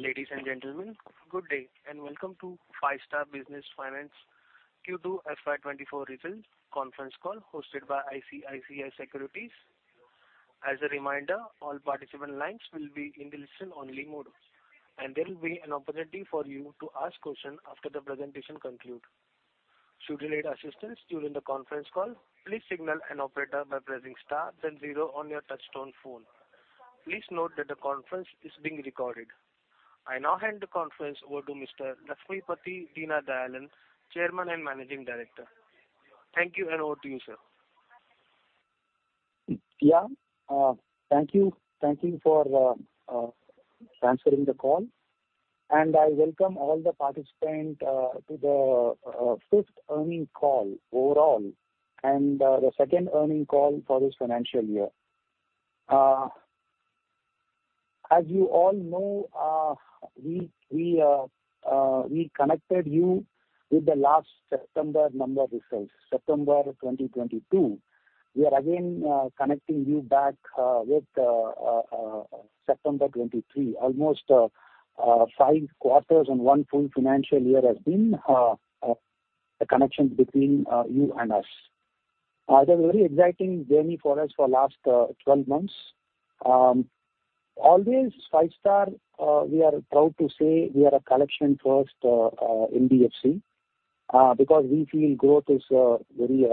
Ladies and gentlemen, good day, and welcome to Five-Star Business Finance Q2 FY 2024 results conference call, hosted by ICICI Securities. As a reminder, all participant lines will be in listen-only mode, and there will be an opportunity for you to ask questions after the presentation conclude. Should you need assistance during the conference call, please signal an operator by pressing star then zero on your touchtone phone. Please note that the conference is being recorded. I now hand the conference over to Mr. Lakshmipathy Deenadayalan, Chairman and Managing Director. Thank you, and over to you, sir. Yeah, thank you. Thank you for transferring the call, and I welcome all the participants to the fifth earnings call overall, and the second earnings call for this financial year. As you all know, we connected you with the last September quarter results, September 2022. We are again connecting you back with September 2023. Almost five quarters and one full financial year has been a connection between you and us. It was a very exciting journey for us for the last 12 months. Always Five-Star, we are proud to say we are a collections-first NBFC, because we feel growth is the very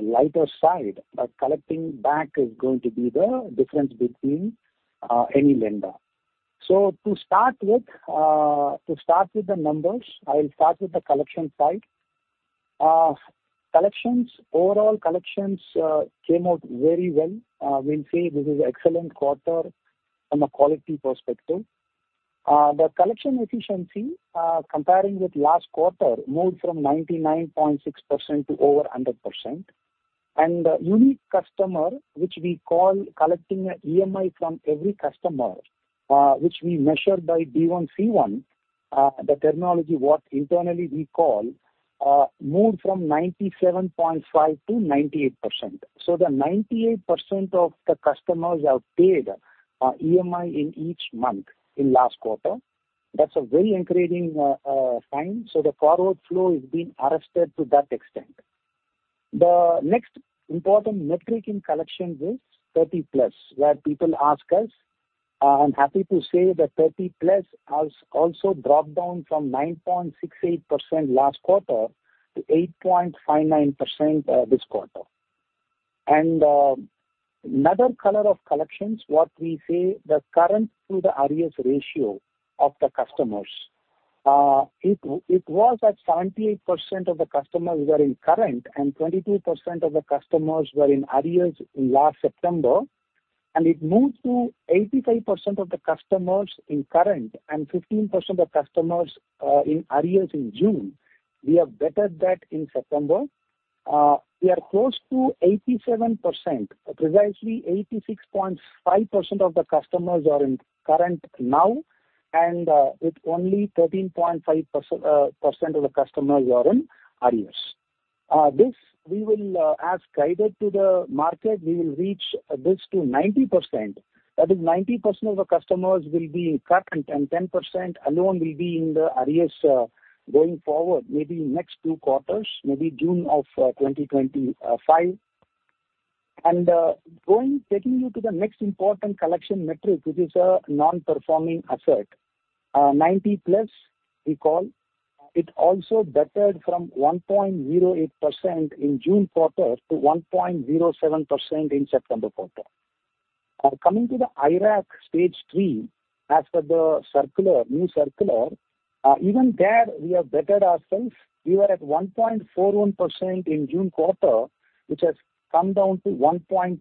lighter side, but collecting back is going to be the difference between any lender. To start with the numbers, I will start with the collection side. Collections, overall collections, came out very well. We say this is excellent quarter from a quality perspective. The collection efficiency, comparing with last quarter, moved from 99.6% to over 100%. Unique customer, which we call collecting EMI from every customer, which we measure by D1C1, the terminology what internally we call, moved from 97.5 to 98%. The 98% of the customers have paid EMI in each month in last quarter. That's a very encouraging sign. The forward flow is being arrested to that extent. The next important metric in collection is 30+, where people ask us. I'm happy to say that 30+ has also dropped down from 9.68% last quarter to 8.59% this quarter. Another color of collections, what we say, the current to the arrears ratio of the customers, it was at 78% of the customers were in current and 22% of the customers were in arrears in last September, and it moved to 85% of the customers in current and 15% of customers in arrears in June. We have bettered that in September. We are close to 87%, precisely 86.5% of the customers are in current now, and with only 13.5% of the customers are in arrears. This we will, as guided to the market, we will reach this to 90%. That is 90% of the customers will be in current and 10% alone will be in the arrears, going forward, maybe next two quarters, maybe June of 2025. Going, taking you to the next important collection metric, which is a non-performing asset, 90+, we call, it also bettered from 1.08% in June quarter to 1.07% in September quarter. Coming to the IRAC Stage Three, as per the circular, new circular, even there we have bettered ourselves. We were at 1.41% in June quarter, which has come down to 1.37%.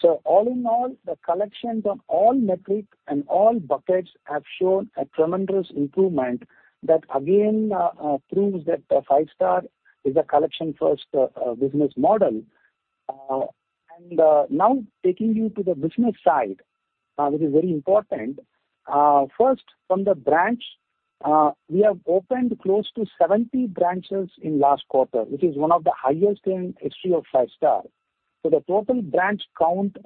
So all in all, the collections on all metrics and all buckets have shown a tremendous improvement that again proves that the Five-Star is a collection-first business model. Now taking you to the business side, which is very important. First, from the branch, we have opened close to 70 branches in last quarter, which is one of the highest in history of Five-Star. So the total branch count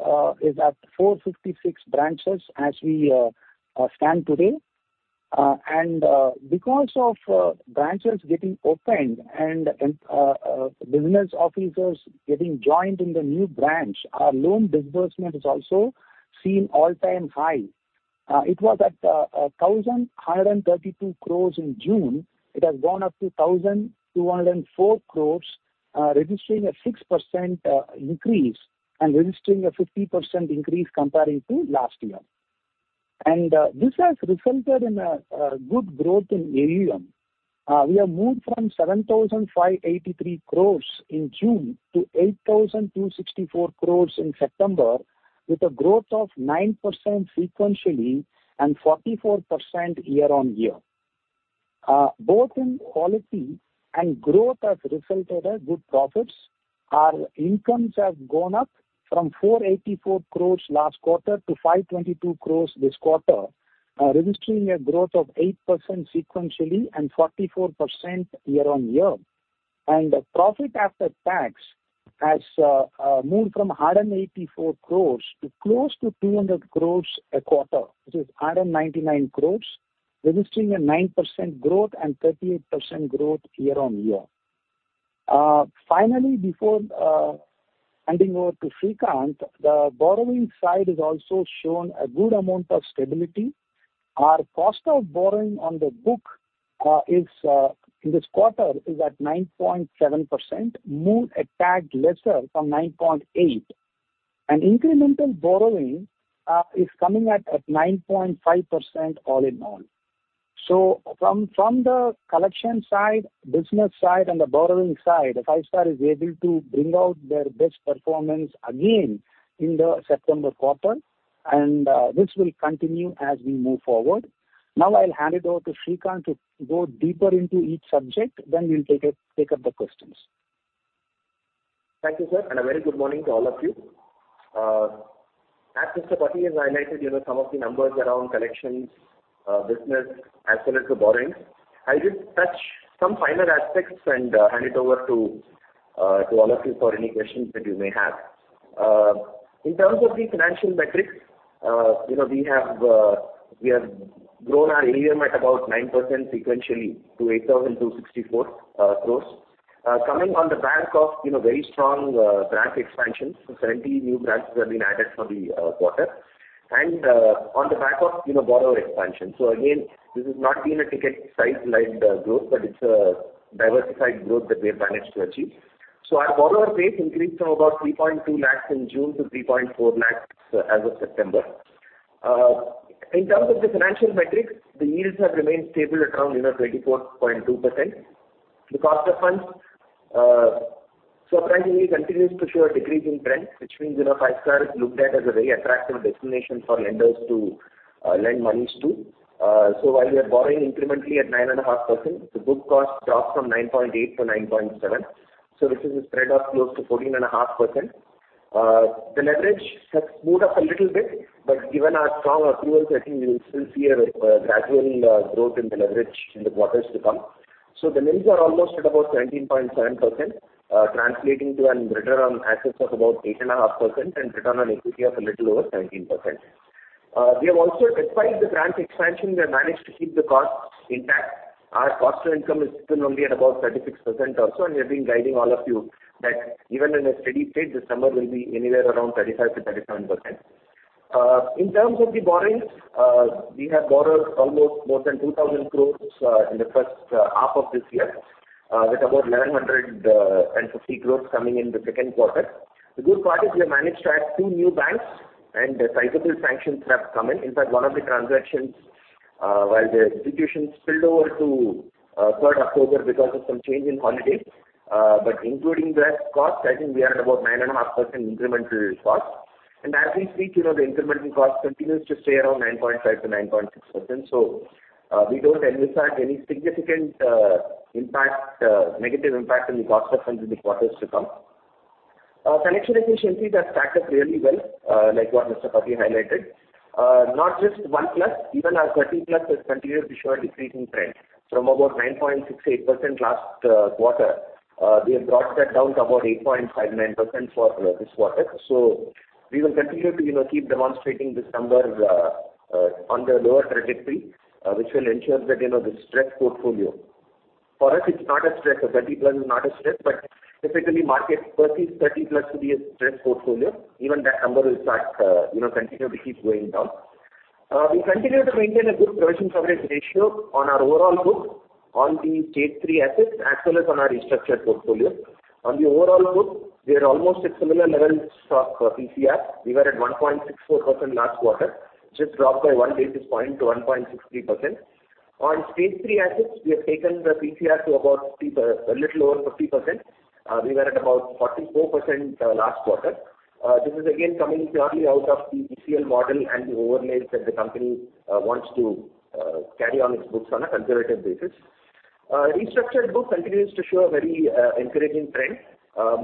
is at 456 branches as we stand today. And because of branches getting opened and business officers getting joined in the new branch, our loan disbursement is also seen all-time high. It was at 1,132 crores in June. It has gone up to 1,204 crores, registering a 6% increase and registering a 50% increase comparing to last year. This has resulted in a good growth in AUM. We have moved from 7,583 crores in June to 8,264 crores in September, with a growth of 9% sequentially and 44% year-over-year. Both in quality and growth has resulted in good profits. Our incomes have gone up from 484 crores last quarter to 522 crores this quarter, registering a growth of 8% sequentially and 44% year-over-year. and the profit after tax has moved from 184 crores to close to 200 crores a quarter, which is 199 crores, registering a 9% growth and 38% growth year-on-year. Finally, before handing over to Srikanth, the borrowing side has also shown a good amount of stability. Our cost of borrowing on the book is in this quarter at 9.7%, marginally lesser from 9.8%. And incremental borrowing is coming at 9.5% all in all. So from the collection side, business side, and the borrowing side, Five-Star is able to bring out their best performance again in the September quarter, and this will continue as we move forward. Now I'll hand it over to Srikanth to go deeper into each subject, then we'll take up the questions. Thank you, sir, and a very good morning to all of you. As Mr. Pati has highlighted, you know, some of the numbers around collections, business, as well as the borrowings. I will touch some finer aspects and hand it over to all of you for any questions that you may have. In terms of the financial metrics, you know, we have grown our AUM at about 9% sequentially to 8,264 crores. Coming on the back of, you know, very strong branch expansion. So 70 new branches have been added for the quarter, and on the back of, you know, borrower expansion. So again, this has not been a ticket size-led growth, but it's a diversified growth that we have managed to achieve. So our borrower base increased from about 3.2 lakhs in June to 3.4 lakhs as of September. In terms of the financial metrics, the yields have remained stable at around, you know, 24.2%. The cost of funds, surprisingly, continues to show a decreasing trend, which means, you know, Five-Star is looked at as a very attractive destination for lenders to lend monies to. So while we are borrowing incrementally at 9.5%, the book cost drops from 9.8 to 9.7, so this is a spread of close to 14.5%. The leverage has moved up a little bit, but given our strong accruals, I think you will still see a gradual growth in the leverage in the quarters to come. The NIMs are almost at about 17.7%, translating to a return on assets of about 8.5% and return on equity of a little over 19%. We have also, despite the branch expansion, we have managed to keep the cost intact. Our cost to income is still only at about 36% also, and we have been guiding all of you that even in a steady state, this number will be anywhere around 35%-37%. In terms of the borrowings, we have borrowed almost more than 2,000 crore in the first half of this year, with about 1,150 crore coming in the second quarter. The good part is we have managed to add two new banks, and cyclical sanctions have come in. In fact, one of the transactions, while the institutions spilled over to third October because of some change in holidays, but including that cost, I think we are at about 9.5% incremental cost. And as we speak, you know, the incremental cost continues to stay around 9.5%-9.6%. So, we don't anticipate any significant impact, negative impact on the cost of funds in the quarters to come. Our collection efficiency has stacked up really well, like what Mr. Pati highlighted. Not just 1+, even our 30+ has continued to show a decreasing trend. From about 9.68% last quarter, we have brought that down to about 8.59% for this quarter. So we will continue to, you know, keep demonstrating this number on the lower trajectory, which will ensure that, you know, the stress portfolio. For us, it's not a stress; a 30+ is not a stress, but typically market perceives 30+ to be a stress portfolio. Even that number will start, you know, continue to keep going down. We continue to maintain a good provision coverage ratio on our overall book, on the Stage Three assets, as well as on our restructured portfolio. On the overall book, we are almost at similar levels of PCR. We were at 1.64% last quarter, just dropped by one basis point to 1.63%. On Stage Three assets, we have taken the PCR to about 50% - a little over 50%. We were at about 44%, last quarter. This is again coming purely out of the ECL model and the overlays that the company wants to carry on its books on a conservative basis. Restructured book continues to show a very encouraging trend.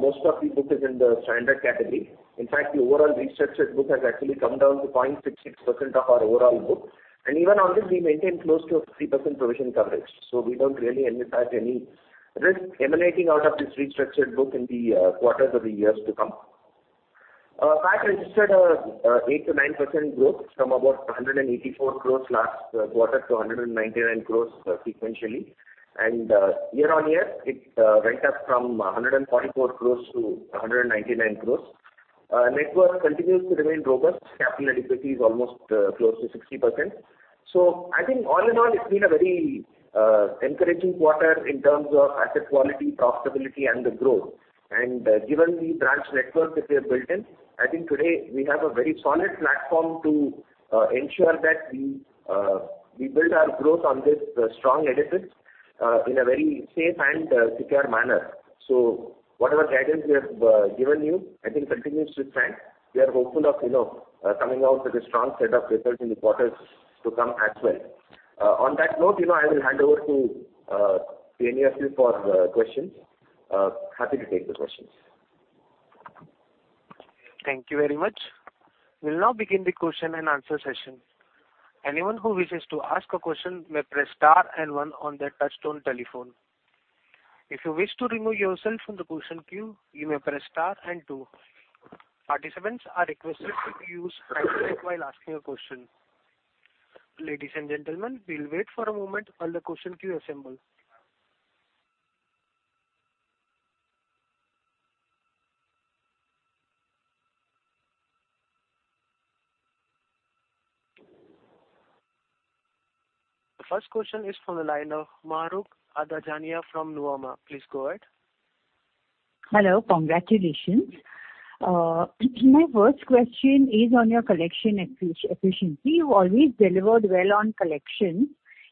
Most of the book is in the standard category. In fact, the overall restructured book has actually come down to 0.66% of our overall book, and even on this, we maintain close to a 50% provision coverage. So we don't really anticipate any risk emanating out of this restructured book in the quarters or the years to come. PAT registered a 8%-9% growth from about 184 crores last quarter to 199 crores sequentially, and year-on-year, it went up from 144 crores to 199 crores. Net worth continues to remain robust. Capital and equity is almost close to 60%. So I think all in all, it's been a very encouraging quarter in terms of asset quality, profitability, and the growth. And given the branch network that we have built in, I think today we have a very solid platform to ensure that we we build our growth on this strong edifice in a very safe and secure manner. So whatever guidance we have given you, I think continues to trend. We are hopeful of, you know, coming out with a strong set of results in the quarters to come as well. On that note, you know, I will hand over to Renish for the questions. Happy to take the questions. Thank you very much. We'll now begin the question and answer session. Anyone who wishes to ask a question may press star and one on their touchtone telephone. If you wish to remove yourself from the question queue, you may press star and two. Participants are requested to use while asking a question. Ladies and gentlemen, we'll wait for a moment while the question queue assembles. The first question is from the line of Mahrukh Adajania from Nuvama. Please go ahead. Hello. Congratulations. My first question is on your collection efficiency. You've always delivered well on collection,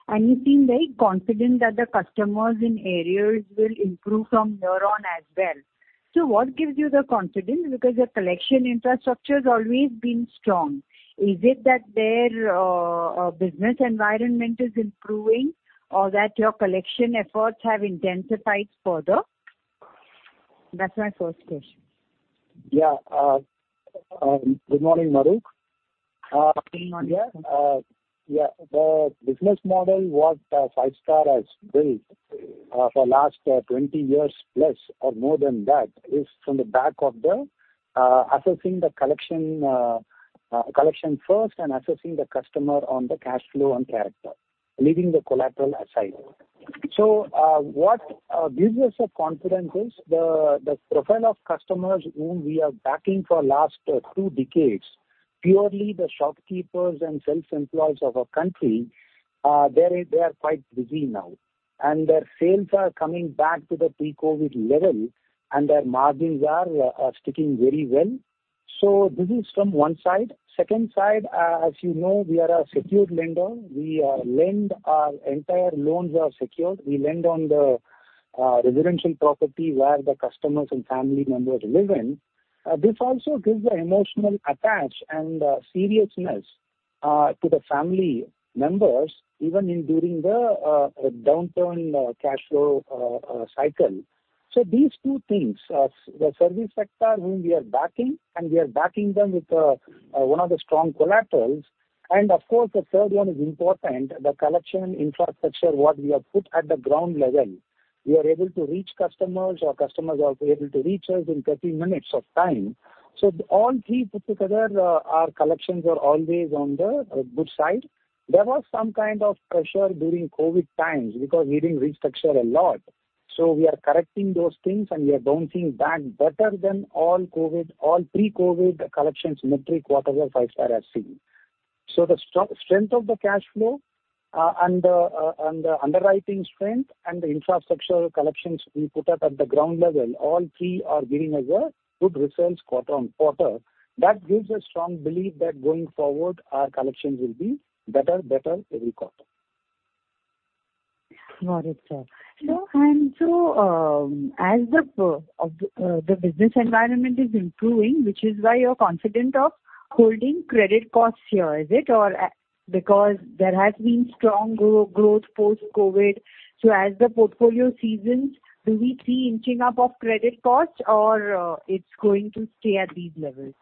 and you seem very confident that the customers in areas will improve from here on as well. So what gives you the confidence? Because your collection infrastructure has always been strong. Is it that their business environment is improving or that your collection efforts have intensified further? That's my first question. Yeah, good morning, Mahrukh. Good morning. Yeah. Yeah, the business model what Five-Star has built for last 20 years plus or more than that is from the back of the assessing the collection first and assessing the customer on the cash flow and character, leaving the collateral aside. So, what gives us the confidence is the profile of customers whom we are backing for last 2 decades, purely the shopkeepers and self-employed of our country. They are quite busy now, and their sales are coming back to the pre-COVID level, and their margins are sticking very well. So this is from one side. Second side, as you know, we are a secured lender. We lend our entire loans are secured. We lend on the residential property where the customers and family members live in. This also gives the emotional attachment and seriousness to the family members, even during the downturn cash flow cycle. So these two things, the service sector, whom we are backing, and we are backing them with one of the strong collaterals. And of course, the third one is important, the collection infrastructure, what we have put at the ground level. We are able to reach customers, our customers are able to reach us in 30 minutes of time. So all three put together, our collections are always on the good side. There was some kind of pressure during COVID times because we didn't restructure a lot, so we are correcting those things, and we are bouncing back better than all COVID, all pre-COVID collections metric, whatever Five-Star has seen. So the strength of the cash flow, and the underwriting strength and the infrastructure collections we put up at the ground level, all three are giving us a good results quarter on quarter. That gives a strong belief that going forward, our collections will be better, better every quarter. Got it, sir. So and so, as the business environment is improving, which is why you're confident of holding credit costs here, is it? Or because there has been strong growth post-COVID, so as the portfolio seasons, do we see inching up of credit costs or, it's going to stay at these levels?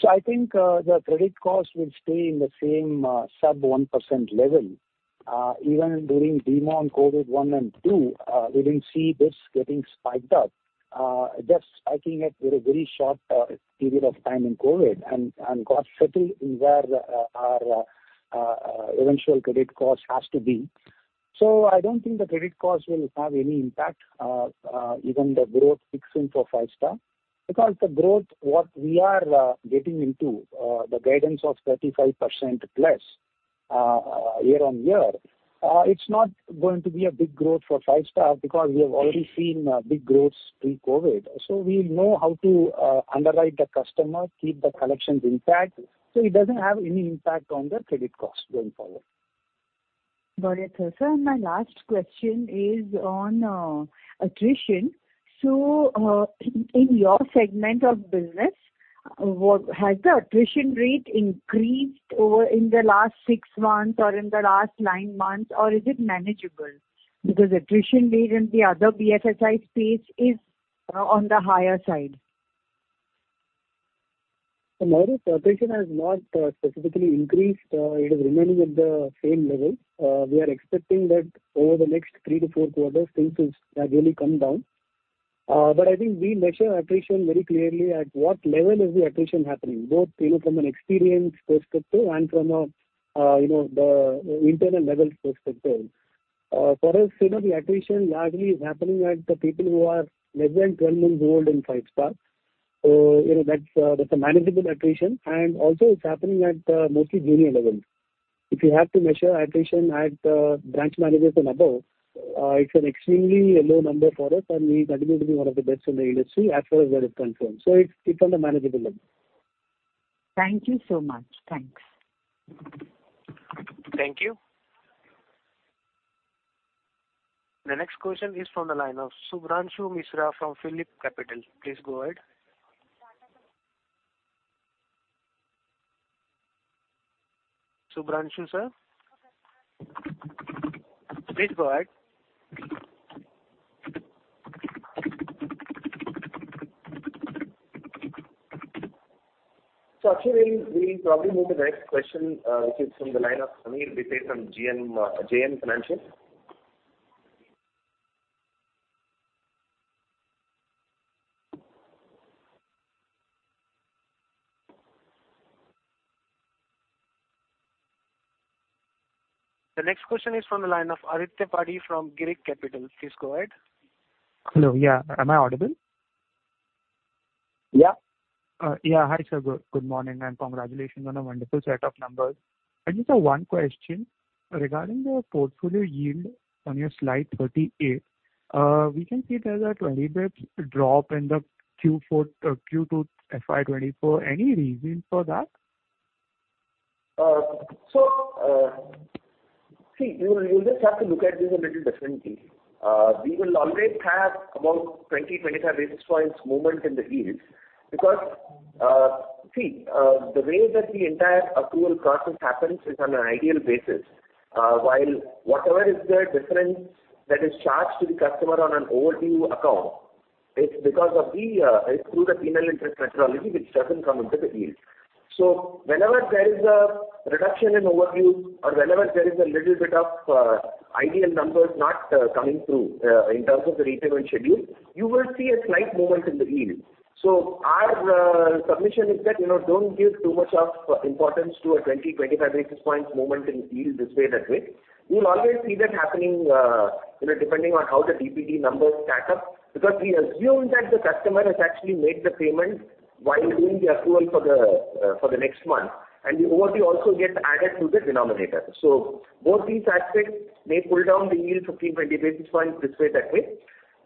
So I think the credit costs will stay in the same sub 1% level. Even during demon COVID one and two, we didn't see this getting spiked up. Just spiking it with a very short period of time in COVID and got settled in where our eventual credit cost has to be. So I don't think the credit cost will have any impact even the growth fixing for Five-Star, because the growth what we are getting into the guidance of 35%+ year-on-year it's not going to be a big growth for Five-Star because we have already seen big growths pre-COVID. So we know how to underwrite the customer, keep the collections intact, so it doesn't have any impact on the credit cost going forward. Got it, sir. My last question is on attrition. So, in your segment of business, what has the attrition rate increased over in the last six months or in the last nine months, or is it manageable? Because attrition rate in the other BFSI space is on the higher side. So Mahrukh, attrition has not specifically increased. It is remaining at the same level. We are expecting that over the next 3-4 quarters, things will gradually come down. But I think we measure attrition very clearly at what level is the attrition happening, both, you know, from an experience perspective and from a, you know, the internal levels perspective. For us, you know, the attrition largely is happening at the people who are less than 12 months old in Five-Star. So, you know, that's a manageable attrition, and also it's happening at mostly junior levels. If you have to measure attrition at branch managers and above, it's an extremely low number for us, and we continue to be one of the best in the industry as far as that is concerned. It's on the manageable level. Thank you so much. Thanks. Thank you. The next question is from the line of Shubhranshu Mishra from Phillip Capital. Please go ahead.... Shubhranshu Sir? Please go ahead. So actually, we'll probably move to the next question, which is from the line of Sameer Bhise from JM Financial. The next question is from the line of Aditya from Girik Capital. Please go ahead. Hello, yeah. Am I audible? Yeah. Yeah. Hi, sir. Good, good morning, and congratulations on a wonderful set of numbers. I just have one question. Regarding the portfolio yield on your slide 38, we can see there's a 20 basis points drop in the Q4, Q2 FY 2024. Any reason for that? So, you will just have to look at this a little differently. We will always have about 20-25 basis points movement in the yields because the way that the entire accrual process happens is on an ideal basis. While whatever is the difference that is charged to the customer on an overdue account, it's because of the, it's through the penal interest methodology, which doesn't come into the yield. So whenever there is a reduction in overdue or whenever there is a little bit of ideal numbers not coming through in terms of the repayment schedule, you will see a slight movement in the yield. So our submission is that, you know, don't give too much of importance to a 20-25 basis points movement in yield this way, that way. You will always see that happening, you know, depending on how the DPD numbers stack up, because we assume that the customer has actually made the payment while doing the accrual for the, for the next month, and the overdue also gets added to the denominator. So both these aspects may pull down the yield 15-20 basis points this way, that way.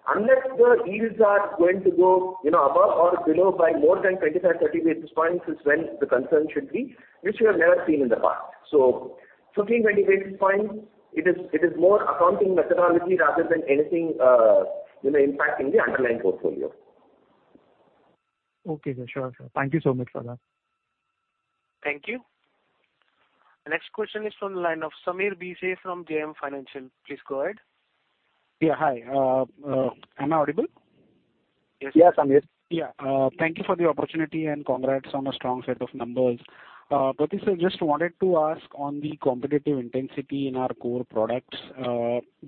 Unless the yields are going to go, you know, above or below by more than 25-30 basis points is when the concern should be, which we have never seen in the past. So 15-20 basis points, it is, it is more accounting methodology rather than anything, you know, impacting the underlying portfolio. Okay, sir. Sure, sir. Thank you so much for that. Thank you. The next question is from the line of Sameer Bhise from JM Financial. Please go ahead. Yeah, hi. Am I audible? Yes, Samir. Yeah, thank you for the opportunity, and congrats on a strong set of numbers. Pati Sir, just wanted to ask on the competitive intensity in our core products,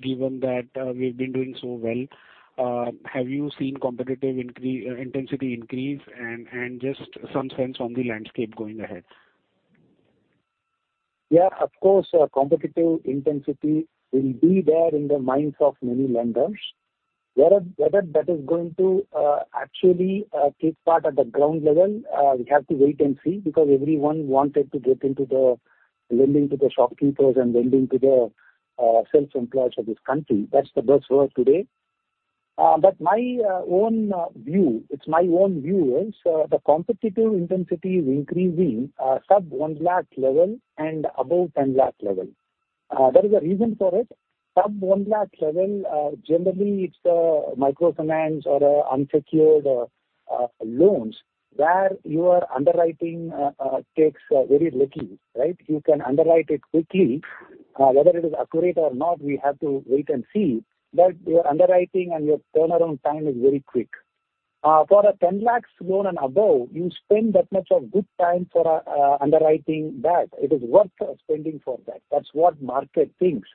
given that we've been doing so well, have you seen competitive intensity increase? And just some sense on the landscape going ahead. Yeah, of course, competitive intensity will be there in the minds of many lenders. Whether that is going to actually take part at the ground level, we have to wait and see, because everyone wanted to get into the lending to the shopkeepers and lending to the self-employed of this country. That's the buzzword today. But my own view, it's my own view is, the competitive intensity is increasing sub 1 lakh level and above 10 lakh level. There is a reason for it. Sub 1 lakh level, generally it's microfinance or unsecured loans, where your underwriting takes very lucky, right? You can underwrite it quickly. Whether it is accurate or not, we have to wait and see. But your underwriting and your turnaround time is very quick. For a 10 lakh loan and above, you spend that much of good time for underwriting that. It is worth spending for that. That's what market thinks.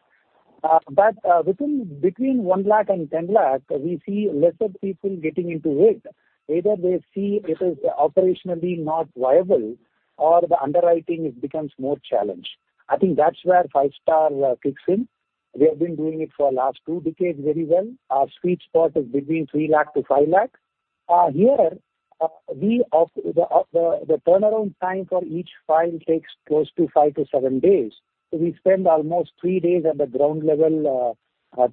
But within between 1 lakh and 10 lakh, we see lesser people getting into it. Either they see it is operationally not viable or the underwriting, it becomes more challenged. I think that's where Five-Star kicks in. We have been doing it for last two decades very well. Our sweet spot is between 3 lakh-5 lakh. Here, the turnaround time for each file takes close to 5-7 days. We spend almost 3 days at the ground level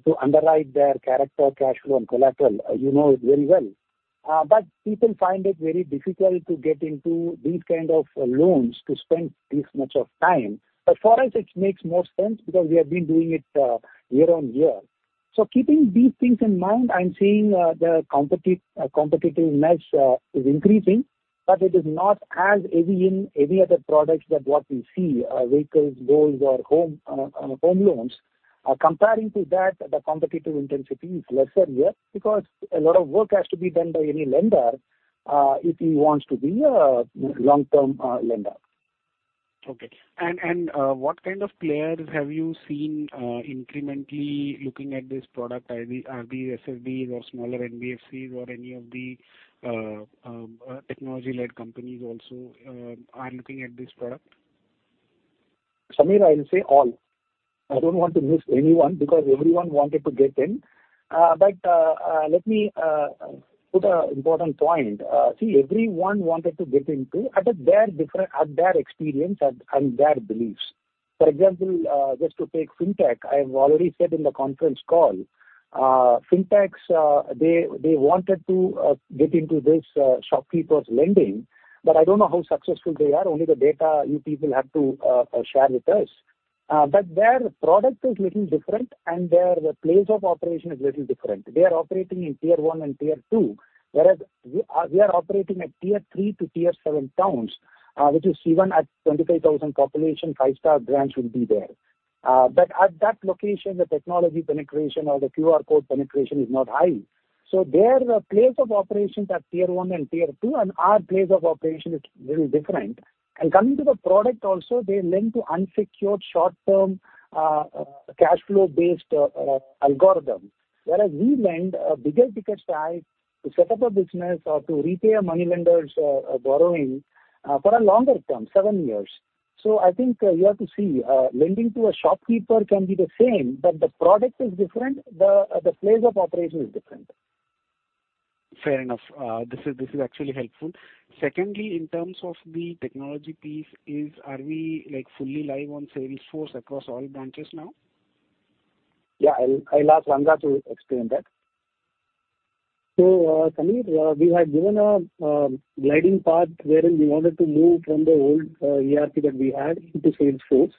to underwrite their character, cash flow, and collateral. You know it very well. But people find it very difficult to get into these kind of loans to spend this much of time. But for us, it makes more sense because we have been doing it year on year. So keeping these things in mind, I'm saying the competitiveness is increasing, but it is not as heavy in any other products that what we see, vehicles, gold or home loans. Comparing to that, the competitive intensity is lesser here, because a lot of work has to be done by any lender if he wants to be a long-term lender. Okay. And what kind of players have you seen incrementally looking at this product? IB, RBS, SB or smaller NBFCs or any of the technology-led companies also are looking at this product? Samir, I will say all. I don't want to miss anyone because everyone wanted to get in. But let me put a important point. See, everyone wanted to get into at their different... at their experience and, and their beliefs. For example, just to take Fintech, I have already said in the conference call, Fintechs, they, they wanted to get into this, shopkeepers lending, but I don't know how successful they are. Only the data you people have to share with us, but their product is little different and their place of operation is little different. They are operating in Tier 1 and Tier 2, whereas we are, we are operating at Tier 3 to Tier 7 towns, which is even at 25,000 population, Five-Star branch will be there. But at that location, the technology penetration or the QR code penetration is not high. So their place of operations are Tier 1 and Tier 2, and our place of operation is very different. And coming to the product also, they lend to unsecured short-term, cash flow based algorithm. Whereas we lend a bigger ticket size to set up a business or to repay a money lender's borrowing, for a longer term, seven years. So I think you have to see, lending to a shopkeeper can be the same, but the product is different, the, the place of operation is different. Fair enough. This is, this is actually helpful. Secondly, in terms of the technology piece, are we, like, fully live on Salesforce across all branches now? Yeah, I'll ask Ranga to explain that. So, Samir, we had given a gliding path wherein we wanted to move from the old ERP that we had into Salesforce.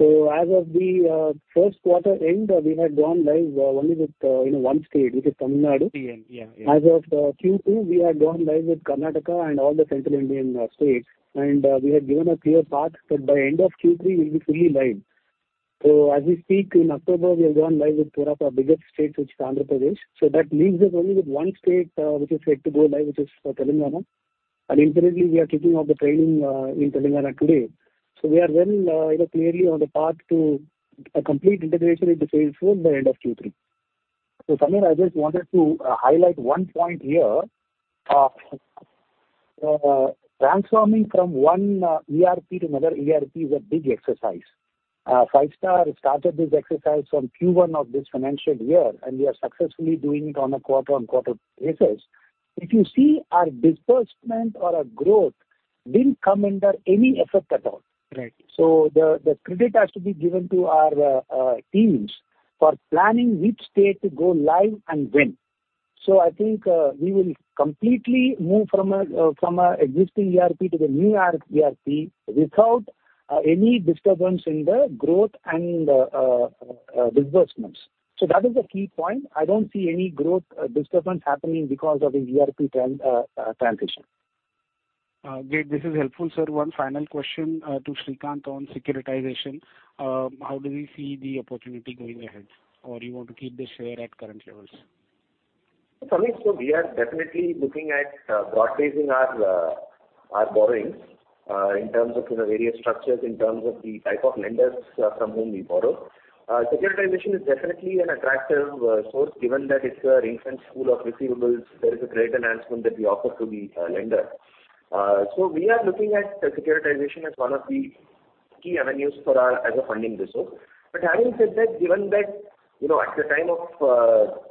So as of the first quarter end, we had gone live only with, you know, one state, which is Tamil Nadu. TN, yeah, yeah. As of Q2, we have gone live with Karnataka and all the central Indian states, and we have given a clear path that by end of Q3, we'll be fully live. So as we speak in October, we have gone live with one of our biggest states, which is Andhra Pradesh. So that leaves us only with one state, which is yet to go live, which is Telangana. And incidentally, we are kicking off the training in Telangana today. So we are well, you know, clearly on the path to a complete integration into Salesforce by end of Q3. So Samir, I just wanted to highlight one point here. Transforming from one ERP to another ERP is a big exercise. Five-Star started this exercise from Q1 of this financial year, and we are successfully doing it on a quarter-on-quarter basis. If you see our disbursement or our growth didn't come under any effect at all. Right. So the credit has to be given to our teams for planning which state to go live and when. So I think we will completely move from our existing ERP to the new ERP without any disturbance in the growth and disbursements. So that is the key point. I don't see any growth disturbance happening because of the ERP transition. Great. This is helpful, sir. One final question to Srikanth on securitization. How do we see the opportunity going ahead, or you want to keep the share at current levels? Samir, so we are definitely looking at, broad basing our, our borrowings, in terms of, you know, various structures, in terms of the type of lenders, from whom we borrow. Securitization is definitely an attractive, source, given that it's an installment sale of receivables, there is a great enhancement that we offer to the, lender. So we are looking at securitization as one of the key avenues for us as a funding resource. But having said that, given that, you know, at the time of,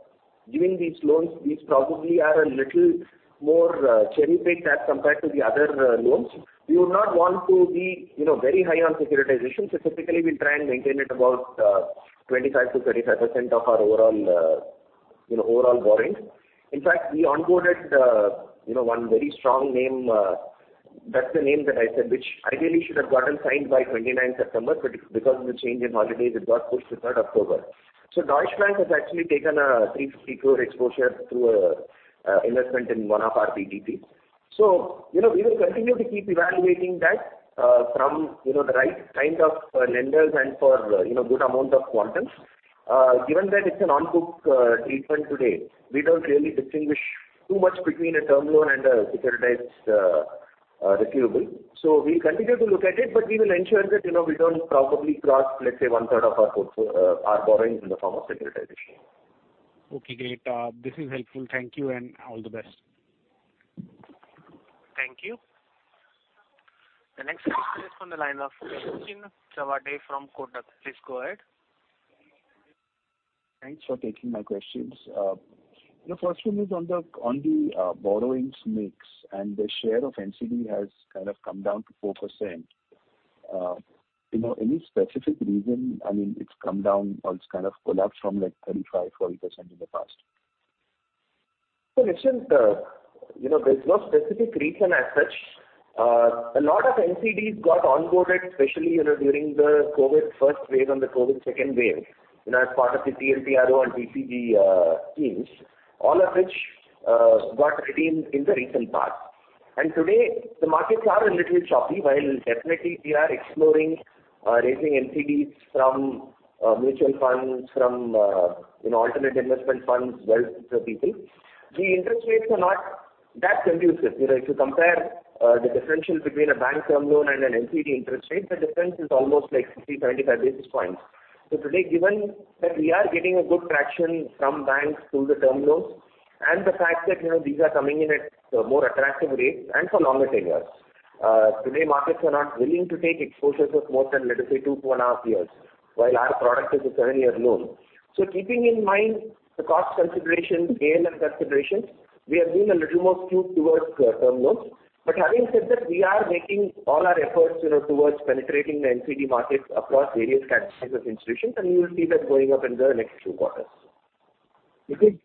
giving these loans, these probably are a little more, cherry-picked as compared to the other, loans, we would not want to be, you know, very high on securitization. Specifically, we try and maintain it about, 25%-35% of our overall, you know, overall borrowings. In fact, we onboarded, you know, one very strong name, that's the name that I said, which ideally should have gotten signed by 29th September, but because of the change in holidays, it got pushed to 3rd October. So Deutsche Bank has actually taken a 350 crore exposure through a investment in one of our PTC. So you know, we will continue to keep evaluating that, from, you know, the right kind of lenders and for, you know, good amount of quantums. Given that it's an on-book treatment today, we don't really distinguish too much between a term loan and a securitized receivable. So we continue to look at it, but we will ensure that, you know, we don't probably cross, let's say, one third of our borrowings in the form of securitization. Okay, great. This is helpful. Thank you and all the best. Thank you. The next question is from the lines of Nischint Chawathe from Kotak. Please go ahead. Thanks for taking my questions. The first one is on the borrowings mix and the share of NCD has kind of come down to 4%. You know, any specific reason? I mean, it's come down or it's kind of collapsed from, like, 35%-40% in the past. So Nishant, you know, there's no specific reason as such. A lot of NCDs got onboarded, especially, you know, during the COVID first wave and the COVID second wave, you know, as part of the TLTRO and PCG schemes, all of which got redeemed in the recent past. And today, the markets are a little choppy while definitely we are exploring raising NCDs from mutual funds, from you know, alternative investment funds, wealth people. The interest rates are not that conducive. You know, if you compare the differential between a bank term loan and an NCD interest rate, the difference is almost like 50, 25 basis points. So today, given that we are getting a good traction from banks through the term loans and the fact that, you know, these are coming in at more attractive rates and for longer tenures. Today, markets are not willing to take exposures of more than, let us say, 2 to 2.5 years, while our product is a 7-year loan. So keeping in mind the cost consideration, gain and considerations, we are being a little more skewed towards term loans. But having said that, we are making all our efforts, you know, towards penetrating the NCD markets across various categories of institutions, and you will see that going up in the next few quarters. Because,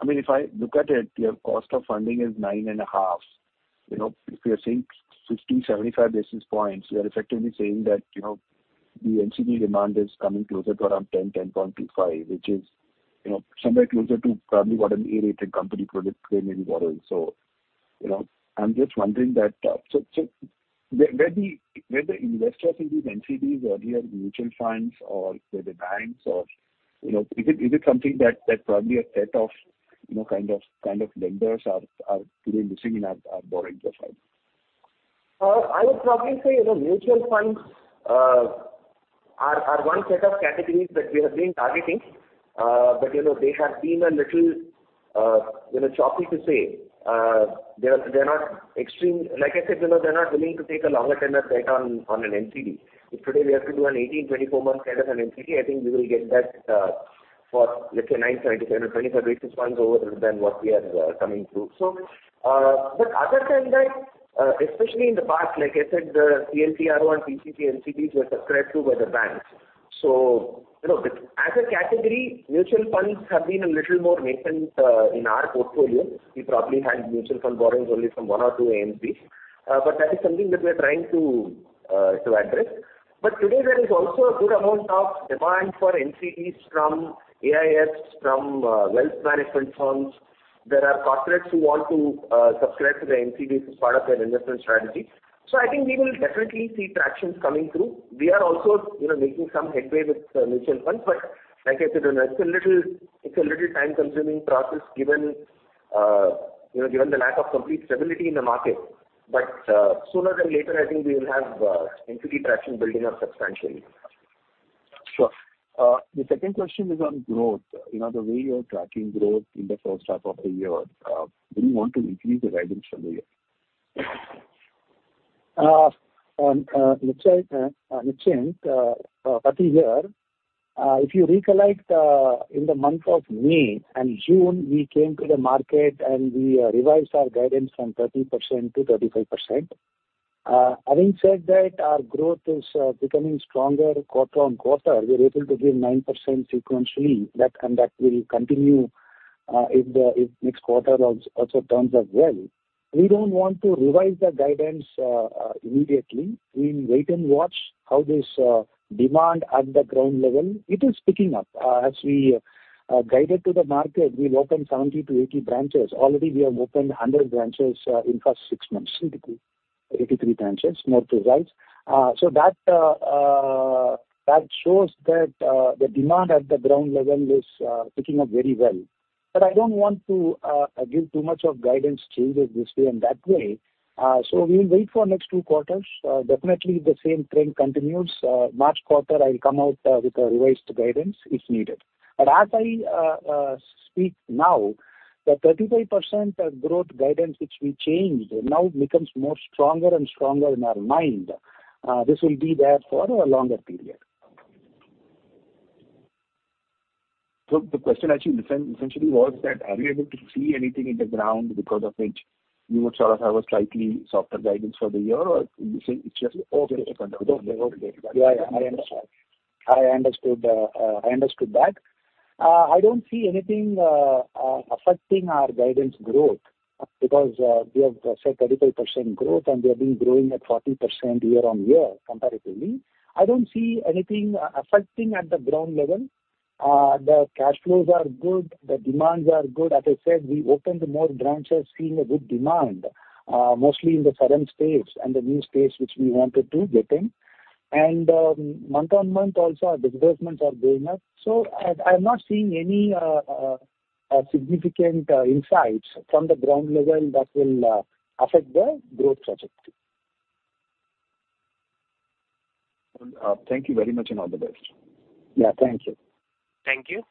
I mean, if I look at it, your cost of funding is 9.5. You know, if you are seeing 50, 75 basis points, you are effectively saying that, you know, the NCD demand is coming closer to around 10, 10.25, which is, you know, somewhere closer to probably what an A-rated company product may be borrowing. So, you know, I'm just wondering that, so where the investors in these NCDs, whether they are mutual funds or whether banks or, you know, is it something that probably a set of, you know, kind of lenders are today missing in our borrowing profile? I would probably say, you know, mutual funds are one set of categories that we have been targeting. But you know, they have been a little, you know, choppy to say. They are not extreme. Like I said, you know, they're not willing to take a longer tenure bet on an NCD. If today we have to do an 18-24-month tenure on NCD, I think we will get that for, let's say, 9.7, 25 basis points over than what we are coming through. But other than that, especially in the past, like I said, the TLTRO and PCG NCDs were subscribed to by the banks. So you know, as a category, mutual funds have been a little more nascent in our portfolio. We probably had mutual fund borrowings only from one or two AMCs, but that is something that we are trying to, to address. But today there is also a good amount of demand for NCDs from AIFs, from, wealth management firms. There are corporates who want to, subscribe to the NCD as part of their investment strategy. So I think we will definitely see traction coming through. We are also, you know, making some headway with, mutual funds, but like I said, you know, it's a little, it's a little time-consuming process, given, you know, given the lack of complete stability in the market. But, sooner than later, I think we will have, NCD traction building up substantially. Sure. The second question is on growth. You know, the way you're tracking growth in the first half of the year, do you want to increase the guidance for the year? On parity here, if you recollect, in the month of May and June, we came to the market and we revised our guidance from 30% to 35%. Having said that, our growth is becoming stronger quarter-on-quarter. We are able to give 9% sequentially, that, and that will continue if next quarter also turns out well. We don't want to revise the guidance immediately. We will wait and watch how this demand at the ground level is picking up. As we guided to the market, we've opened 70-80 branches. Already we have opened 100 branches in first six months, 83 branches, more precise. So that shows that the demand at the ground level is picking up very well. But I don't want to give too much of guidance changes this way and that way. So we will wait for next two quarters. Definitely, if the same trend continues, March quarter, I will come out with a revised guidance if needed. But as I speak now, the 35% growth guidance which we changed now becomes more stronger and stronger in our mind. This will be there for a longer period. So the question actually essentially was that, are you able to see anything in the ground because of which you would sort of have a slightly softer guidance for the year? Or you say it's just all very different? I understood. I understood that. I don't see anything affecting our guidance growth because we have said 35% growth, and we have been growing at 40% year-on-year comparatively. I don't see anything affecting at the ground level. The cash flows are good, the demands are good. As I said, we opened more branches, seeing a good demand, mostly in the southern states and the new states which we wanted to get in. And month-on-month also, our disbursements are going up. So I'm not seeing any significant insights from the ground level that will affect the growth trajectory. Thank you very much, and all the best. Yeah, thank you. Thank you.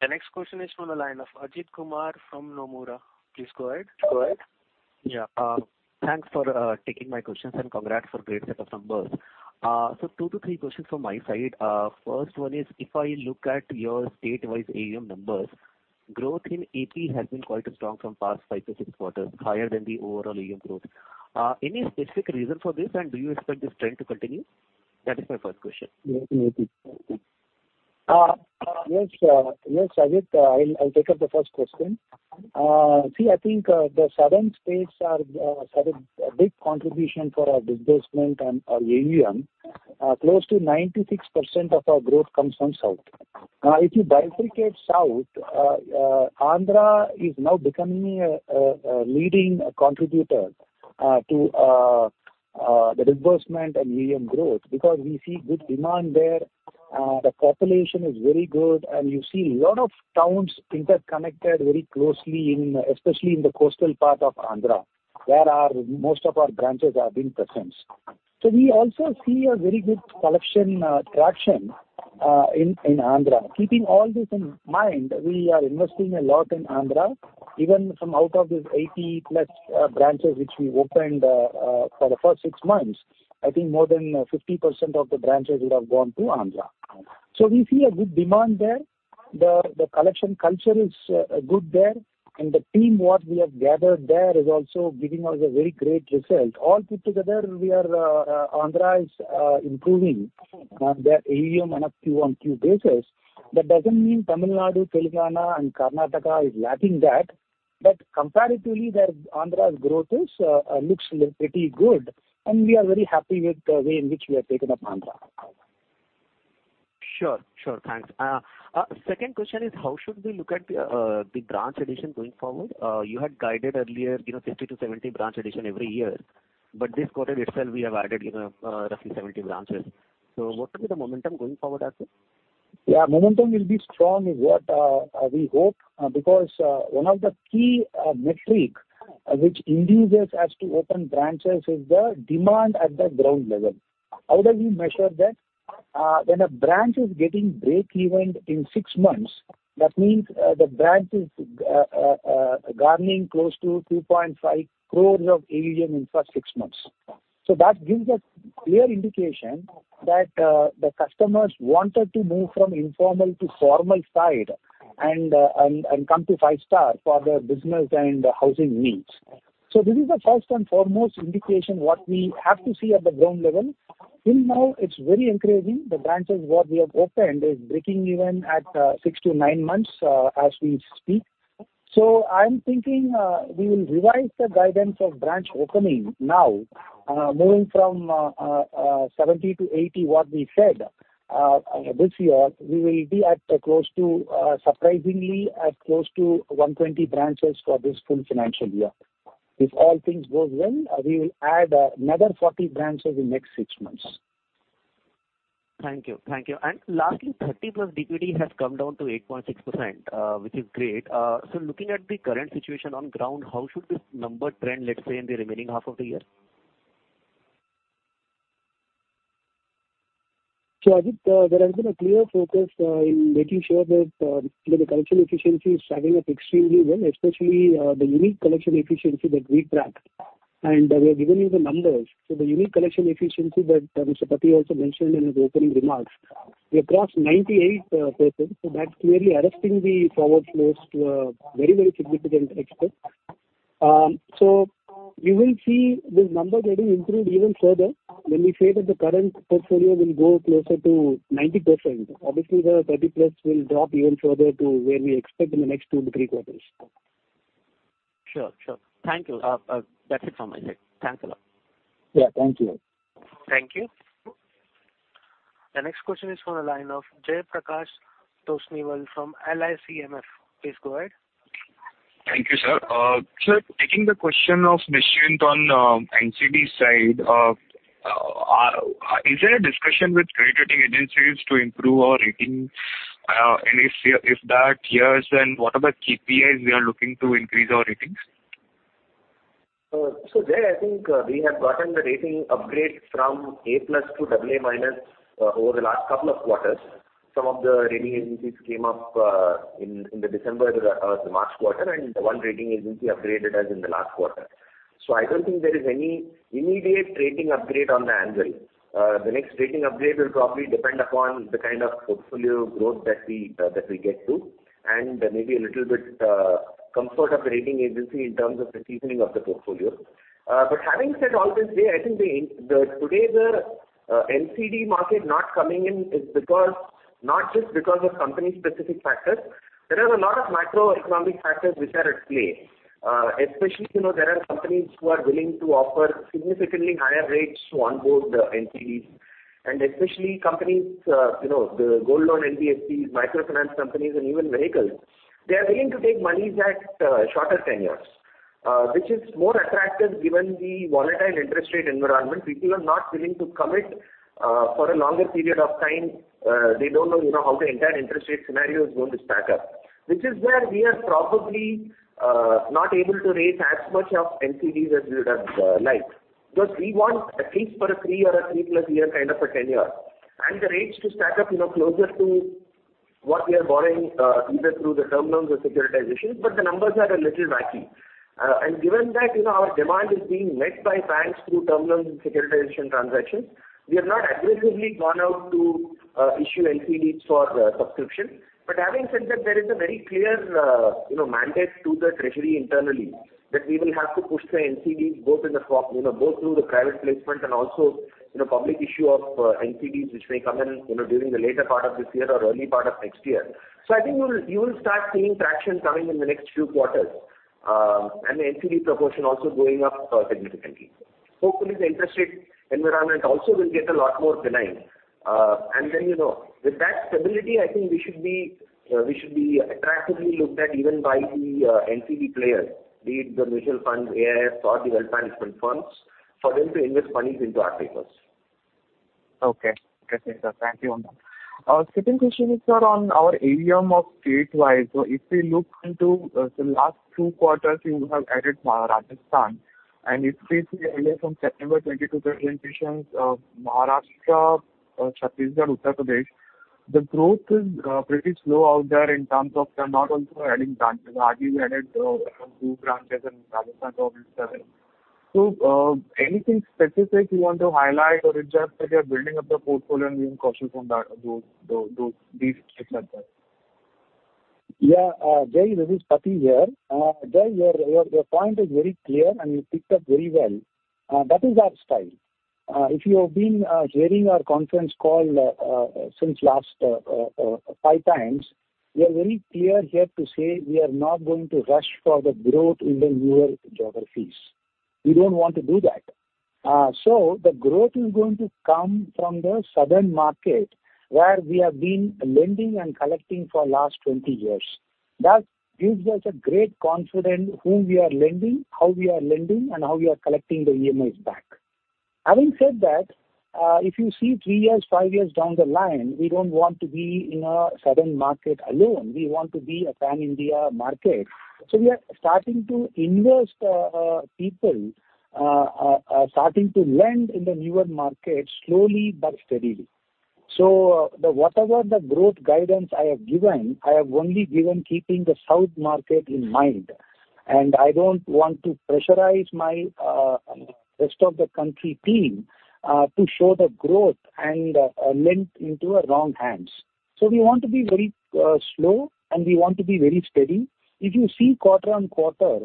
The next question is from the line of Ajit Kumar from Nomura. Please go ahead. Go ahead. Yeah, thanks for taking my questions, and congrats for great set of numbers. So 2-3 questions from my side. First one is, if I look at your state-wise AUM numbers, growth in AP has been quite strong from past 5-6 quarters, higher than the overall AUM growth. Any specific reason for this, and do you expect this trend to continue? That is my first question. Yes, yes, Ajit, I'll take up the first question. See, I think, the southern states are, have a big contribution for our disbursement and our AUM. Close to 96% of our growth comes from south. If you bifurcate south, Andhra is now becoming a leading contributor to the disbursement and AUM growth because we see good demand there, the population is very good, and you see a lot of towns interconnected very closely in, especially in the coastal part of Andhra, where most of our branches are being present. So we also see a very good collection traction in Andhra. Keeping all this in mind, we are investing a lot in Andhra. Even from out of these 80+ branches which we opened for the first six months, I think more than 50% of the branches would have gone to Andhra. So we see a good demand there. The collection culture is good there, and the team what we have gathered there is also giving us a very great result. All put together, we are... Andhra is improving on their AUM and Q-on-Q basis. That doesn't mean Tamil Nadu, Telangana and Karnataka is lacking that... but comparatively, the Andhra's growth is looks pretty good, and we are very happy with the way in which we have taken up Andhra. Sure, sure. Thanks. Second question is: How should we look at the branch addition going forward? You had guided earlier, you know, 50-70 branch addition every year, but this quarter itself, we have added, you know, roughly 70 branches. So what will be the momentum going forward, Ashok? Yeah, momentum will be strong, is what we hope, because one of the key metric which induces us to open branches is the demand at the ground level. How do we measure that? When a branch is getting breakeven in 6 months, that means the branch is garnering close to 2.5 crores of AUM in first 6 months. So that gives us clear indication that the customers wanted to move from informal to formal side and come to Five-Star for their business and housing needs. So this is the first and foremost indication what we have to see at the ground level. Till now, it's very encouraging. The branches what we have opened is breaking even at 6-9 months, as we speak. So I'm thinking, we will revise the guidance of branch opening now, moving from 70-80, what we said, this year, we will be at close to, surprisingly, at close to 120 branches for this full financial year. If all things goes well, we will add another 40 branches in next six months. Thank you. Thank you. Lastly, 30+ DPD has come down to 8.6%, which is great. So looking at the current situation on ground, how should this number trend, let's say, in the remaining half of the year? So Ajit, there has been a clear focus in making sure that, you know, the collection efficiency is stacking up extremely well, especially the unique collection efficiency that we track. We have given you the numbers. So the unique collection efficiency that Mr. Pati also mentioned in his opening remarks, we have crossed 98%. So that's clearly arresting the forward flows to a very, very significant extent. So you will see this number getting improved even further when we say that the current portfolio will go closer to 90%. Obviously, the 30+ will drop even further to where we expect in the next 2-3 quarters. Sure, sure. Thank you. That's it from my side. Thanks a lot. Yeah, thank you. Thank you. The next question is from the line of Jaiprakash Tosniwal from LIC MF. Please go ahead. Thank you, sir. Sir, taking the question of Nishant on NCD side, is there a discussion with credit rating agencies to improve our rating? And if yes, then what are the KPIs we are looking to increase our ratings? So, Jay, I think we have gotten the rating upgrade from A plus to AA minus over the last couple of quarters. Some of the rating agencies came up in the December to March quarter, and one rating agency upgraded us in the last quarter. So I don't think there is any immediate rating upgrade on the anvil. The next rating upgrade will probably depend upon the kind of portfolio growth that we get to, and maybe a little bit of comfort of the rating agency in terms of the seasoning of the portfolio. But having said all this, Jay, I think the NCD market not coming in is because, not just because of company-specific factors. There are a lot of macroeconomic factors which are at play. Especially, you know, there are companies who are willing to offer significantly higher rates to onboard the NCDs, and especially companies, you know, the gold loan NBFCs, microfinance companies, and even vehicles. They are willing to take monies at shorter tenures, which is more attractive given the volatile interest rate environment. People are not willing to commit for a longer period of time. They don't know, you know, how the entire interest rate scenario is going to stack up. Which is where we are probably not able to raise as much of NCDs as we would have liked. Because we want at least for a 3 or a 3+ year kind of a tenure, and the rates to stack up, you know, closer to what we are borrowing, either through the term loans or securitization, but the numbers are a little wacky. And given that, you know, our demand is being met by banks through term loans and securitization transactions, we have not aggressively gone out to, issue NCDs for subscription. But having said that, there is a very clear, you know, mandate to the treasury internally, that we will have to push the NCDs both through the private placement and also, you know, public issue of NCDs, which may come in, you know, during the later part of this year or early part of next year. So I think you will start seeing traction coming in the next few quarters, and the NCD proportion also going up, significantly. Hopefully, the interest rate environment also will get a lot more benign. And then, you know, with that stability, I think we should be attractively looked at even by the NCD players, be it the mutual funds, AIFs or the wealth management funds, for them to invest monies into our papers. Okay. Got it, sir. Thank you on that. Second question is, sir, on our AUM state-wise. So if we look into the last 2 quarters, you have added Rajasthan, and if we see earlier from September 2022 presentations, Maharashtra, Chhattisgarh, Uttar Pradesh, the growth is pretty slow out there in terms of they're not also adding branches. Earlier you added 2 branches in Rajasthan, so... So, anything specific you want to highlight, or it's just that you're building up the portfolio and being cautious on that, those, those, these states like that? Yeah, Jay, this is Pati here. Jay, your point is very clear, and you picked up very well. That is our style. If you have been hearing our conference call since last 5 times, we are very clear here to say we are not going to rush for the growth in the newer geographies. We don't want to do that. So the growth is going to come from the southern market, where we have been lending and collecting for last 20 years. That gives us a great confident whom we are lending, how we are lending, and how we are collecting the EMIs back. Having said that, if you see 3 years, 5 years down the line, we don't want to be in a southern market alone. We want to be a pan-India market. We are starting to lend in the newer markets slowly but steadily. So, whatever the growth guidance I have given, I have only given keeping the south market in mind, and I don't want to pressurize my rest of the country team to show the growth and lend into a wrong hands. So we want to be very slow, and we want to be very steady. If you see quarter-on-quarter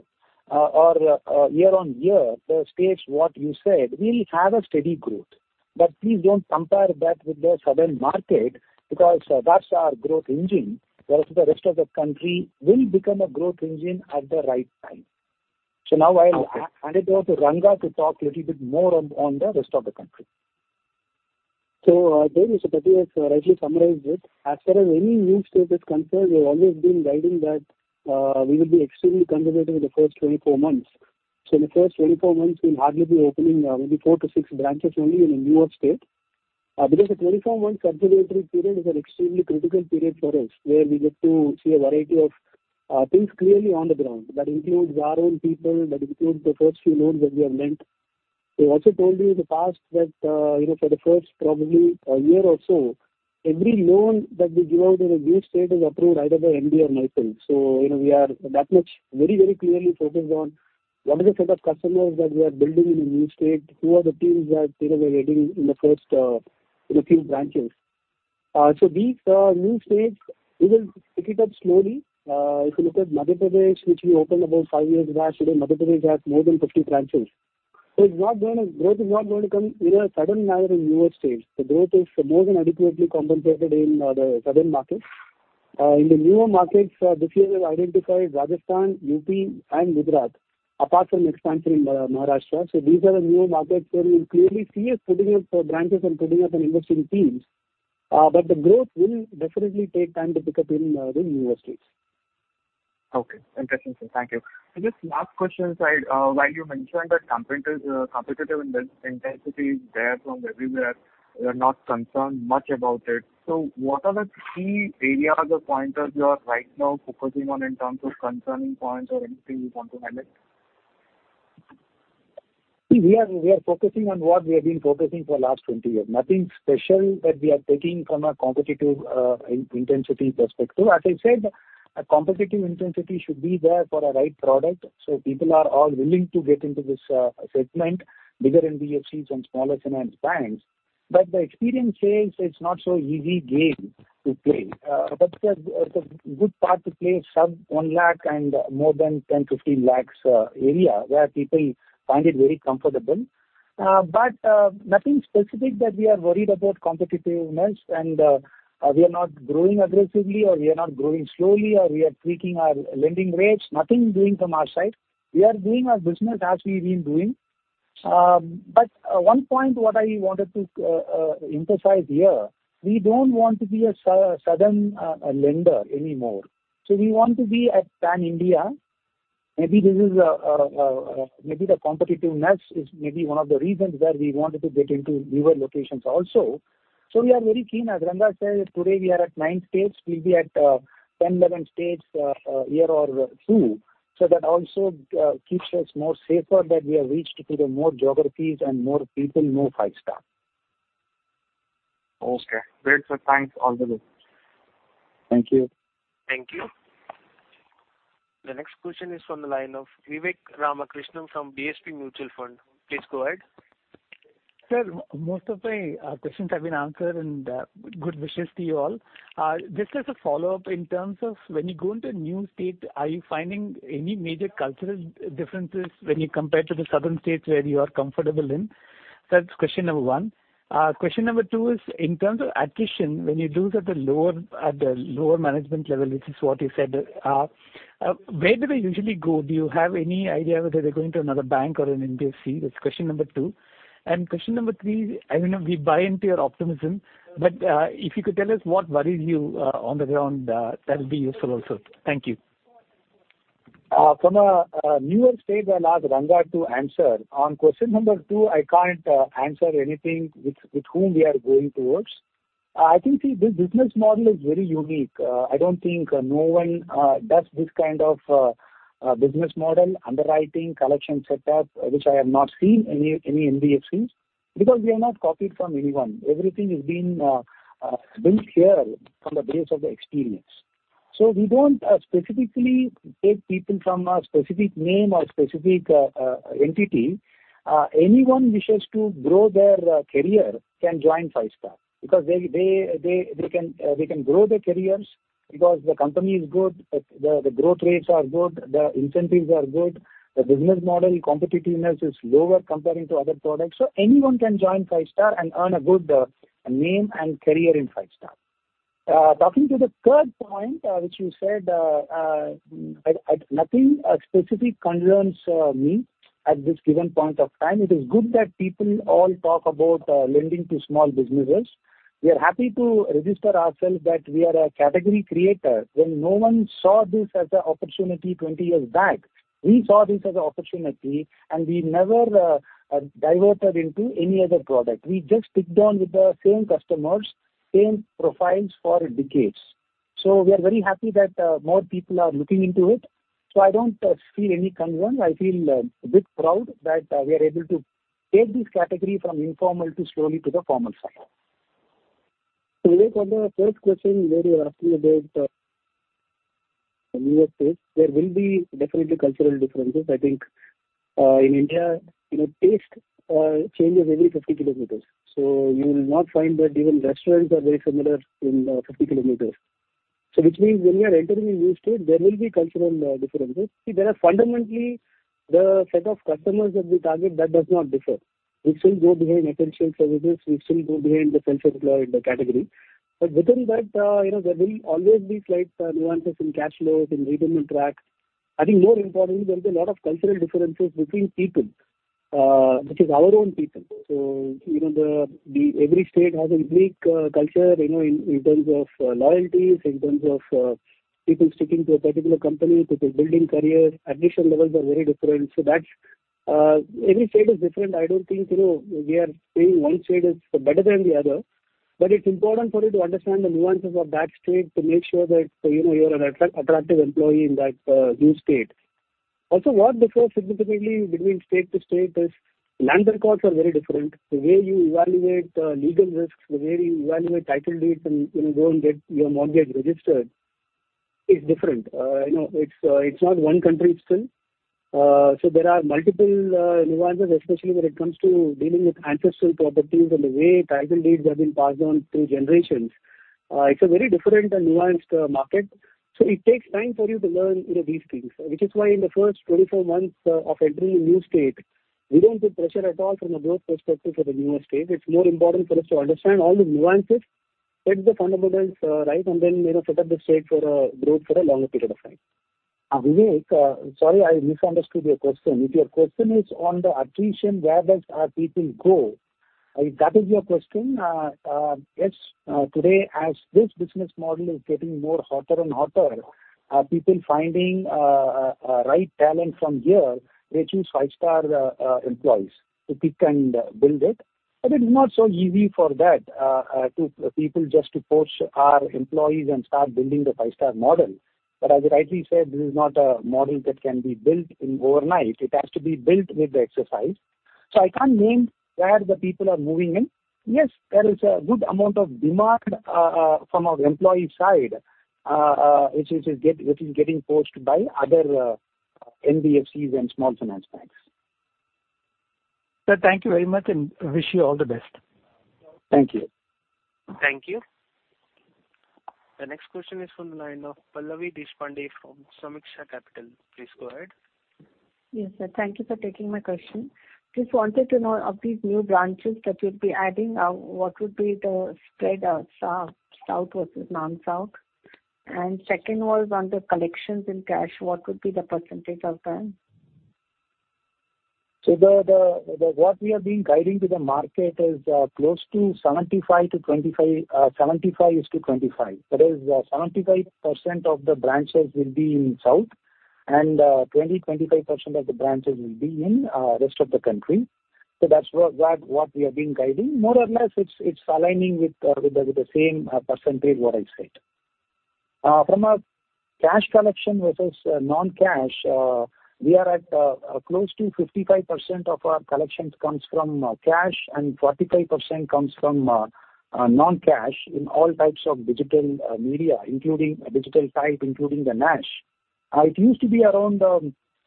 or year-on-year, the states what you said, we'll have a steady growth. But please don't compare that with the southern market, because that's our growth engine, whereas the rest of the country will become a growth engine at the right time. So now I'll hand it over to Ranga to talk little bit more on the rest of the country. So, thank you. Satya has rightly summarized it. As far as any new state is concerned, we've always been guiding that we will be extremely conservative in the first 24 months. So in the first 24 months, we'll hardly be opening maybe 4-6 branches only in the newer state. Because the 24 months conservative period is an extremely critical period for us, where we get to see a variety of things clearly on the ground. That includes our own people, that includes the first few loans that we have lent. We've also told you in the past that, you know, for the first probably a year or so, every loan that we give out in a new state is approved either by MD or myself. So, you know, we are that much very, very clearly focused on what is the set of customers that we are building in a new state? Who are the teams that, you know, we're getting in the first, in a few branches? So these new states, we will pick it up slowly. If you look at Madhya Pradesh, which we opened about five years back, today Madhya Pradesh has more than 50 branches. So it's not gonna... growth is not going to come in a sudden manner in newer states. The growth is more than adequately compensated in the southern markets. In the newer markets, this year we've identified Rajasthan, UP, and Gujarat, apart from expansion in Maharashtra. So these are the newer markets where you'll clearly see us putting up branches and putting up an investing teams, but the growth will definitely take time to pick up in the newer states. Okay. Interesting, sir. Thank you. And just last question, sir, while you mentioned that competitive intensity is there from everywhere, you're not concerned much about it. So what are the key areas or pointers you are right now focusing on in terms of concerning points or anything you want to highlight? We are focusing on what we have been focusing for the last 20 years. Nothing special that we are taking from a competitive intensity perspective. As I said, a competitive intensity should be there for a right product, so people are all willing to get into this segment, bigger NBFCs and smaller finance banks. But the experience says it's not so easy game to play. But the good part to play sub 1 lakh and more than 10-15 lakhs area, where people find it very comfortable. But nothing specific that we are worried about competitiveness and we are not growing aggressively, or we are not growing slowly, or we are tweaking our lending rates. Nothing doing from our side. We are doing our business as we've been doing. But, one point what I wanted to emphasize here, we don't want to be a southern lender anymore. So we want to be a pan-India. Maybe this is maybe the competitiveness is maybe one of the reasons where we wanted to get into newer locations also. So we are very keen. As Ranga said, today we are at nine states. We'll be at 10, 11 states a year or two. So that also keeps us more safer that we have reached to the more geographies and more people, more Five-Star. Okay. Great, sir. Thanks all the way. Thank you. Thank you. The next question is from the line of Vivek Ramakrishnan from DSP Mutual Fund. Please go ahead. Sir, most of my questions have been answered, and good wishes to you all. Just as a follow-up, in terms of when you go into a new state, are you finding any major cultural differences when you compare to the southern states where you are comfortable in? That's question number one. Question number two is, in terms of attrition, when you do it at the lower, at the lower management level, which is what you said, where do they usually go? Do you have any idea whether they're going to another bank or an NBFC? That's question number two. And question number three, I don't know, we buy into your optimism, but if you could tell us what worries you on the ground, that would be useful also. Thank you. From a newer state, I'll ask Ranga to answer. On question number two, I can't answer anything with whom we are going towards. I think, see, this business model is very unique. I don't think no one does this kind of business model, underwriting, collection setup, which I have not seen any NBFCs, because we are not copied from anyone. Everything is being built here on the base of the experience. So we don't specifically take people from a specific name or specific entity. Anyone wishes to grow their career can join Five-Star, because they can grow their careers because the company is good, the growth rates are good, the incentives are good, the business model competitiveness is lower comparing to other products. So anyone can join Five-Star and earn a good name and career in Five-Star. Talking to the third point, which you said, nothing specific concerns me at this given point of time. It is good that people all talk about lending to small businesses. We are happy to register ourselves that we are a category creator. When no one saw this as an opportunity 20 years back, we saw this as an opportunity, and we never diverted into any other product. We just stick down with the same customers, same profiles for decades. So we are very happy that more people are looking into it. So I don't feel any concern. I feel a bit proud that we are able to take this category from informal to slowly to the formal side. So Vivek, on the first question where you're asking about newer states, there will be definitely cultural differences. I think in India, you know, taste changes every 50 kilometers. So you will not find that even restaurants are very similar in 50 kilometers. So which means when we are entering a new state, there will be cultural differences. See, there are fundamentally the set of customers that we target, that does not differ. We still go behind essential services. We still go behind the self-employed category. But within that, you know, there will always be slight nuances in cash flows, in repayment track. I think more importantly, there is a lot of cultural differences between people, which is our own people. So, you know, the every state has a unique culture, you know, in terms of loyalties, in terms of people sticking to a particular company, people building careers, admission levels are very different. So that's every state is different. I don't think, you know, we are saying one state is better than the other, but it's important for you to understand the nuances of that state to make sure that, you know, you are an attractive employee in that new state. Also, what differs significantly between state to state is land records are very different. The way you evaluate legal risks, the way you evaluate title deeds and, you know, go and get your mortgage registered is different. You know, it's not one country still. So there are multiple, nuances, especially when it comes to dealing with ancestral properties and the way title deeds have been passed on through generations. It's a very different and nuanced market. So it takes time for you to learn, you know, these things. Which is why in the first 24 months, of entering a new state, we don't put pressure at all from a growth perspective for the newer state. It's more important for us to understand all the nuances, get the fundamentals, right, and then, you know, set up the state for, growth for a longer period of time. Vivek, sorry, I misunderstood your question. If your question is on the attrition, where does our people go? If that is your question, yes, today, as this business model is getting more hotter and hotter, people finding, right talent from here, they choose Five-Star employees to pick and build it. But it's not so easy for that, to people just to poach our employees and start building the Five-Star model. But as you rightly said, this is not a model that can be built in overnight. It has to be built with the exercise. So I can't name where the people are moving in. Yes, there is a good amount of demand, from our employee side, which is getting poached by other NBFCs and small finance banks. Sir, thank you very much, and wish you all the best. Thank you. Thank you. The next question is from the line of Pallavi Deshpande from Sameeksha Capital. Please go ahead. Yes, sir. Thank you for taking my question. Just wanted to know of these new branches that you'll be adding, what would be the spread of South, South versus non-South? And second was on the collections in cash, what would be the percentage of time? So what we have been guiding to the market is close to 75-25, 75 to 25. That is, 75% of the branches will be in South, and 25% of the branches will be in rest of the country. So that's what we have been guiding. More or less, it's aligning with the same percentage what I said. From a cash collection versus non-cash, we are at close to 55% of our collections comes from cash, and 45% comes from non-cash in all types of digital media, including digital type, including the NACH. It used to be around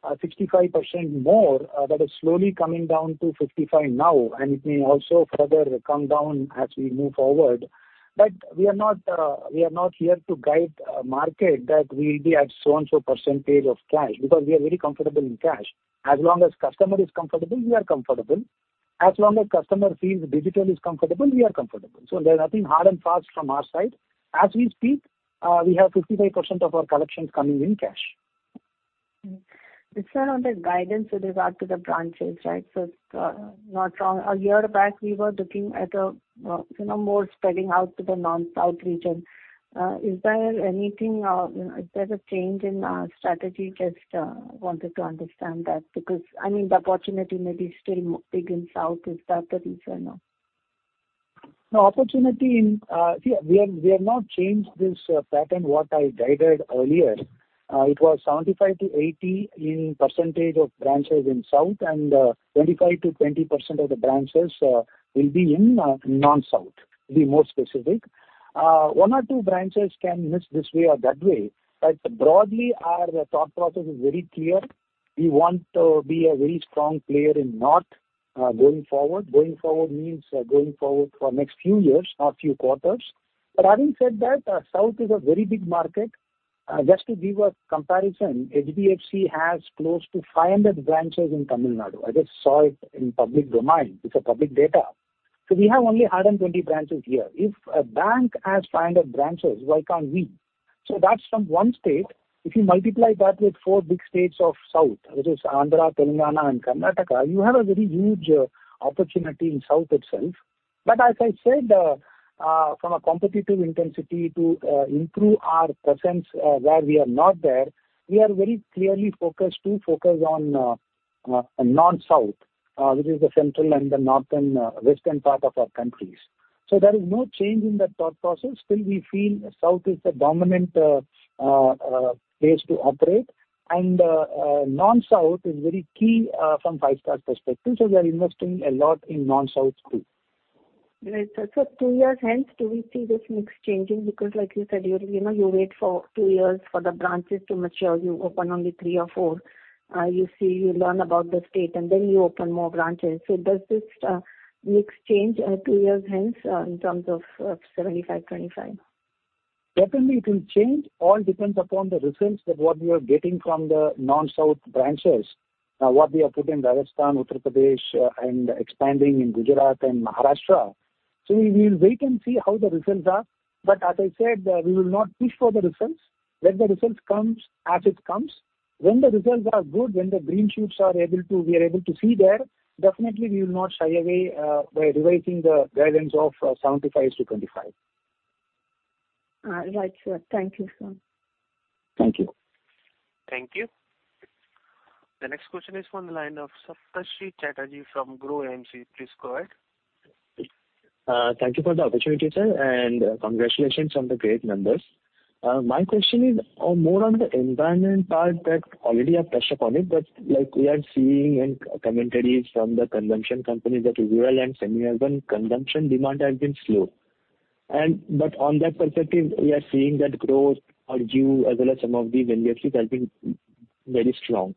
65% more, that is slowly coming down to 55% now, and it may also further come down as we move forward. But we are not, we are not here to guide market that we'll be at so-and-so percentage of cash, because we are very comfortable in cash. As long as customer is comfortable, we are comfortable. As long as customer feels digital is comfortable, we are comfortable. So there's nothing hard and fast from our side. As we speak, we have 55% of our collections coming in cash. It's around the guidance with regard to the branches, right? So, not wrong, a year back, we were looking at a, you know, more spreading out to the non-South region. Is there anything or is there a change in, strategy? Just, wanted to understand that, because, I mean, the opportunity may be still big in South. Is that the reason or no? No, opportunity in... See, we have, we have not changed this pattern what I guided earlier. It was 75%-80% of branches in South and 25%-20% of the branches will be in non-South, to be more specific. One or two branches can miss this way or that way, but broadly, our thought process is very clear. We want to be a very strong player in North, going forward. Going forward means going forward for next few years, not few quarters. But having said that, South is a very big market. Just to give a comparison, HDFC has close to 500 branches in Tamil Nadu. I just saw it in public domain. It's a public data. So we have only 120 branches here. If a bank has 500 branches, why can't we? So that's from one state. If you multiply that with four big states of south, that is Andhra, Telangana, and Karnataka, you have a very huge opportunity in south itself. But as I said, from a competitive intensity to, improve our presence, where we are not there, we are very clearly focused to focus on, non-south, which is the central and the northern, western part of our countries. So there is no change in that thought process. Still, we feel south is the dominant, place to operate, and, non-south is very key, from Five-Star perspective, so we are investing a lot in non-south too. Great. So two years hence, do we see this mix changing? Because like you said, you know, you wait for two years for the branches to mature. You open only 3 or 4, you see, you learn about the state, and then you open more branches. So does this mix change two years hence in terms of 75, 25? Definitely it will change. All depends upon the results that what we are getting from the non-south branches. Now, what we have put in Rajasthan, Uttar Pradesh, and expanding in Gujarat and Maharashtra. So we, we'll wait and see how the results are. But as I said, we will not push for the results. Let the results comes as it comes. When the results are good, when the green shoots are able to... we are able to see there, definitely we will not shy away, by revising the guidance of 75-25. Right, sir. Thank you, sir. Thank you. Thank you. The next question is from the line of Saptarshe Chatterjee from Groww MC. Please go ahead. Thank you for the opportunity, sir, and congratulations on the great numbers. My question is on more on the environment part that already I've touched upon it, but like we are seeing in commentaries from the consumption companies, that rural and semi-urban consumption demand has been slow. But on that perspective, we are seeing that growth or you as well as some of the valuations have been very strong.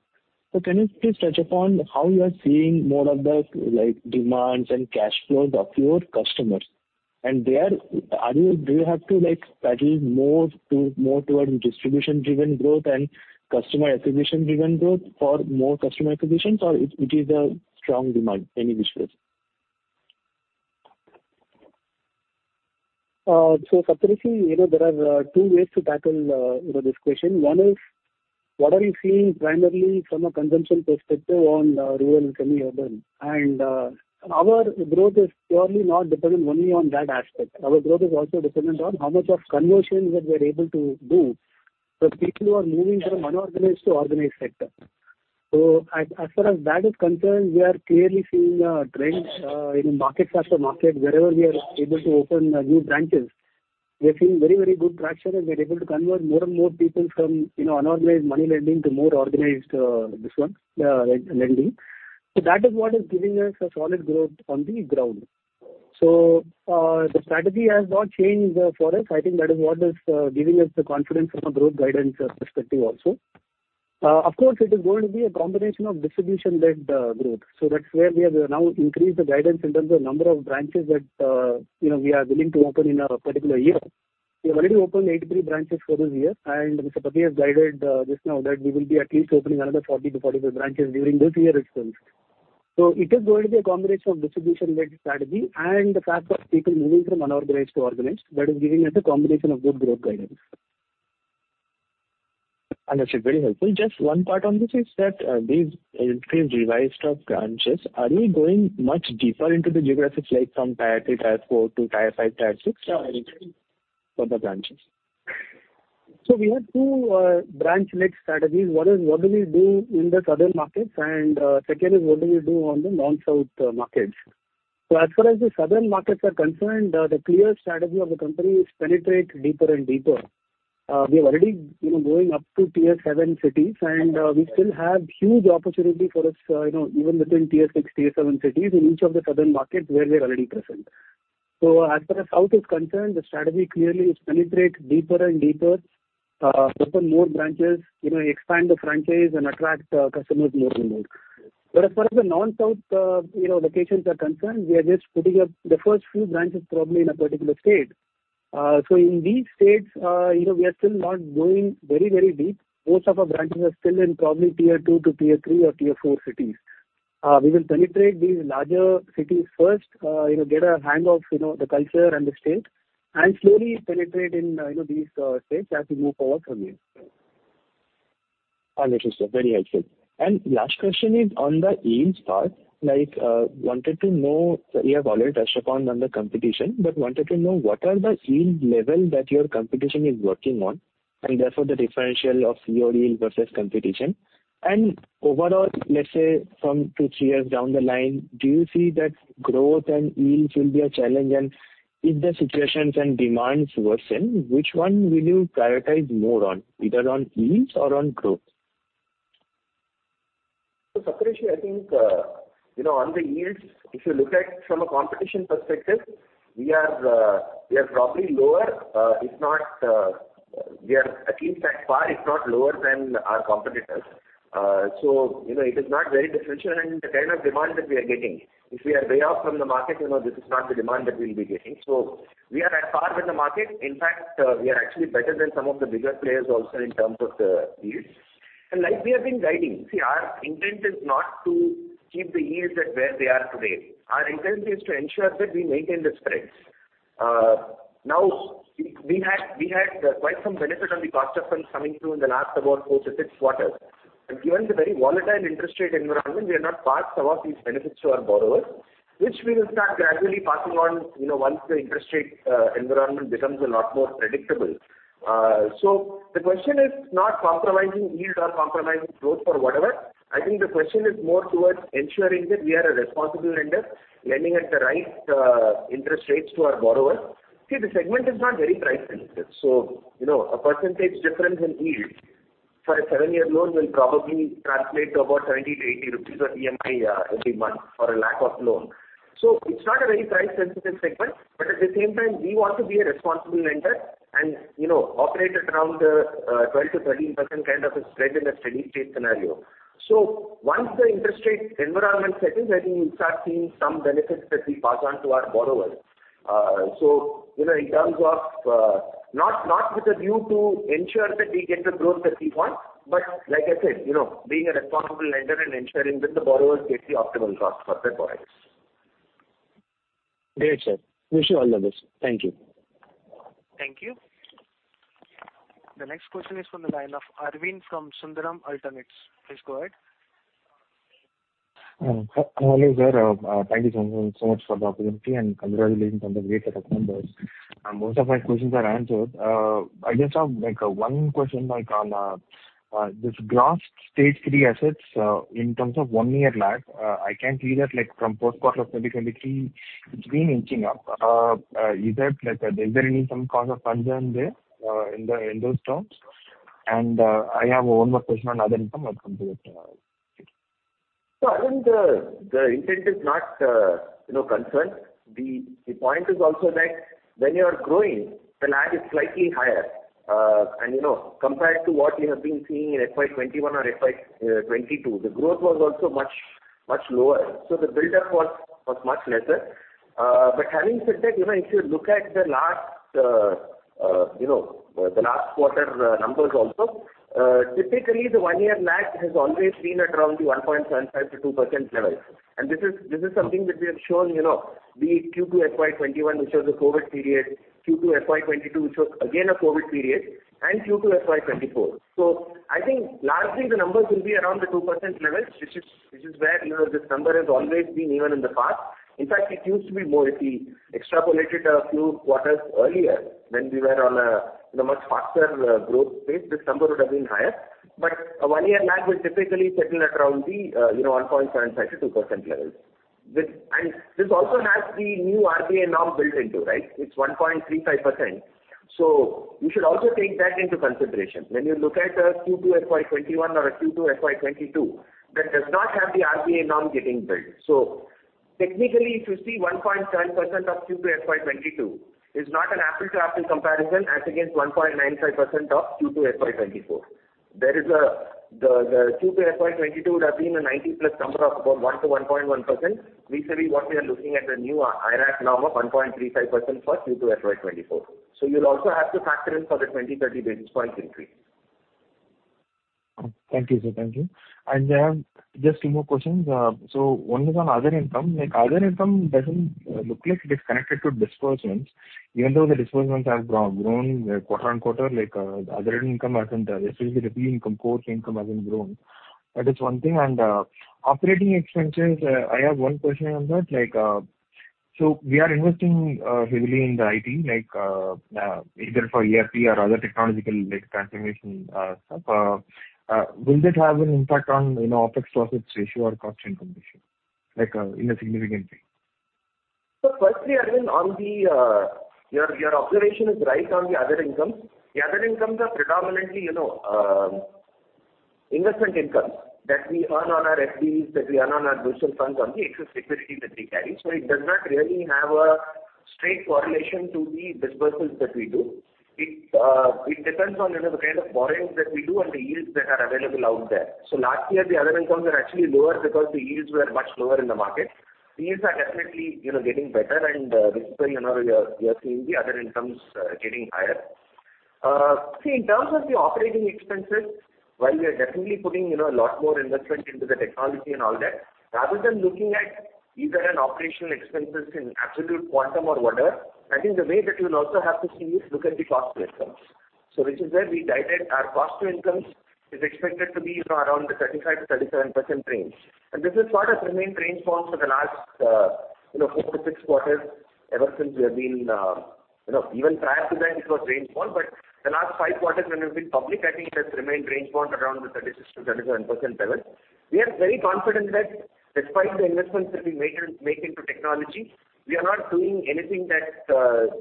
So can you please touch upon how you are seeing more of the, like, demands and cash flows of your customers? And there, are you do you have to, like, paddle more to, more towards distribution-driven growth and customer acquisition-driven growth for more customer acquisitions, or it, it is a strong demand in this space? So Saptarshe, you know, there are two ways to tackle, you know, this question. One is, what are we seeing primarily from a consumption perspective on rural and semi-urban? And our growth is purely not dependent only on that aspect. Our growth is also dependent on how much of conversion that we are able to do for people who are moving from unorganized to organized sector. So as far as that is concerned, we are clearly seeing a trend in market after market. Wherever we are able to open new branches, we are seeing very, very good traction, and we're able to convert more and more people from, you know, unorganized money lending to more organized this one lending. So that is what is giving us a solid growth on the ground. So, the strategy has not changed, for us. I think that is what is giving us the confidence from a growth guidance, perspective also. Of course, it is going to be a combination of distribution-led, growth. So that's where we have now increased the guidance in terms of number of branches that, you know, we are willing to open in a particular year. We have already opened 83 branches for this year, and Mr. Pati has guided, just now that we will be at least opening another 40-45 branches during this year itself. So it is going to be a combination of distribution-led strategy and the fact of people moving from unorganized to organized that is giving us a combination of good growth guidance. Understood. Very helpful. Just one part on this is that, these increased revisions of branches, are we going much deeper into the geographies like from Tier 3, Tier 4 to Tier 5, Tier 6 for the branches? So we have two branch-led strategies. One is what do we do in the Southern markets, and second is what do we do on the non-South markets. So as far as the Southern markets are concerned, the clear strategy of the company is penetrate deeper and deeper. We have already, you know, going up to Tier seven cities, and we still have huge opportunity for us, you know, even within Tier six, Tier seven cities in each of the Southern markets where we are already present. So as far as South is concerned, the strategy clearly is penetrate deeper and deeper, open more branches, you know, expand the franchise and attract customers more and more. But as far as the non-South, you know, locations are concerned, we are just putting up the first few branches probably in a particular state. In these states, you know, we are still not going very, very deep. Most of our branches are still in probably Tier 2 to Tier 3 or Tier 4 cities. We will penetrate these larger cities first, you know, get a hang of, you know, the culture and the state, and slowly penetrate in, you know, these states as we move forward from here. Understood, sir. Very helpful. And last question is on the yield part, like, wanted to know... You have already touched upon on the competition, but wanted to know what are the yield level that your competition is working on, and therefore the differential of your yield versus competition. And overall, let's say from two, three years down the line, do you see that growth and yields will be a challenge? And if the situations and demands worsen, which one will you prioritize more on, either on yields or on growth? So Saptarshe, I think, you know, on the yields, if you look at from a competition perspective, we are, we are probably lower, if not, we are at least at par, if not lower than our competitors. So, you know, it is not very differential and the kind of demand that we are getting. If we are way off from the market, you know, this is not the demand that we'll be getting. So we are at par with the market. In fact, we are actually better than some of the bigger players also in terms of the yields. And like we have been guiding, see, our intent is not to keep the yields at where they are today. Our intent is to ensure that we maintain the spreads. Now, we had, we had quite some benefit on the cost of funds coming through in the last about 4-6 quarters. Given the very volatile interest rate environment, we have not passed some of these benefits to our borrowers, which we will start gradually passing on, you know, once the interest rate environment becomes a lot more predictable. So the question is not compromising yields or compromising growth or whatever. I think the question is more towards ensuring that we are a responsible lender, lending at the right interest rates to our borrowers. See, the segment is not very price sensitive, so, you know, a percentage difference in yield for a 7-year loan will probably translate to about 70-80 rupees or EMI every month for a lakh of loan. So it's not a very price-sensitive segment, but at the same time, we want to be a responsible lender and, you know, operate at around 12%-13% kind of a spread in a steady state scenario. So once the interest rate environment settles, I think we'll start seeing some benefits that we pass on to our borrowers. So, you know, in terms of not with a view to ensure that we get the growth that we want, but like I said, you know, being a responsible lender and ensuring that the borrowers get the optimal cost for their borrowings. Great, sir. Wish you all the best. Thank you. Thank you. The next question is from the line of Aravind from Sundaram Alternates. Please go ahead. Hello, sir. Thank you so, so much for the opportunity, and congratulations on the great set of numbers. Most of my questions are answered. I just have, like, one question on this gross Stage Three assets in terms of one-year lag. I can see that, like, from fourth quarter of 2023, it's been inching up. Is that like, is there any some cause of concern there in the, in those terms? And, I have one more question on other income. I'll come to it. So I think the intent is not, you know, concerned. The point is also that when you are growing, the lag is slightly higher. And, you know, compared to what we have been seeing in FY 2021 or FY 2022, the growth was also much, much lower, so the build-up was much lesser. But having said that, you know, if you look at the last quarter numbers also, typically the one-year lag has always been around the 1.75%-2% level. And this is something that we have shown, you know, be it Q2 FY 2021, which was a COVID period, Q2 FY 2022, which was again a COVID period, and Q2 FY 2024. So I think largely the numbers will be around the 2% level, which is, which is where, you know, this number has always been even in the past. In fact, it used to be more. If we extrapolated a few quarters earlier, when we were on a, you know, much faster growth phase, this number would have been higher. But a one-year lag will typically settle at around the, you know, 1.75%-2% level. This, and this also has the new RBI norm built into, right? It's 1.35%. So you should also take that into consideration. When you look at the Q2 FY 2021 or a Q2 FY 2022, that does not have the RBI norm getting built. So technically, if you see 1.10% of Q2 FY 2022, is not an apple-to-apple comparison as against 1.95% of Q2 FY 2024. There is a-- the Q2 FY 2022 would have been a 90+ number of about 1-1.1%. Recently, what we are looking at the new IRAC norm of 1.35% for Q2 FY 2024. So you'll also have to factor in for the 20-30 basis points increase. Thank you, sir. Thank you. I have just two more questions. So one is on other income. Like, other income doesn't look like it is connected to disbursements, even though the disbursements have grown quarter-on-quarter, like, other income hasn't, especially the fee income, core income hasn't grown. That is one thing. Operating expenses, I have one question on that. Like, so we are investing heavily in the IT, like, either for ERP or other technological, like, transformation stuff. Will that have an impact on, you know, OpEx to assets ratio or cost income ratio, like, in a significant way? So firstly, I mean, on the your observation is right on the other income. The other incomes are predominantly, you know, investment income that we earn on our FDs, that we earn on our mutual funds, on the excess liquidity that we carry. So it does not really have a straight correlation to the disbursements that we do. It depends on, you know, the kind of borrowings that we do and the yields that are available out there. So last year, the other incomes were actually lower because the yields were much lower in the market. Yields are definitely, you know, getting better, and this is why, you know, we are seeing the other incomes getting higher. See, in terms of the operating expenses, while we are definitely putting, you know, a lot more investment into the technology and all that, rather than looking at either an operational expenses in absolute quantum or whatever, I think the way that you'll also have to see is look at the cost to incomes. So this is where we guided our cost to incomes is expected to be around the 35%-37% range. And this is what has remained range bound for the last, you know, 4-6 quarters ever since we have been, you know, even prior to that, it was range bound. But the last 5 quarters when we've been public, I think it has remained range bound around the 36%-37% level. We are very confident that despite the investments that we make in, make into technology, we are not doing anything that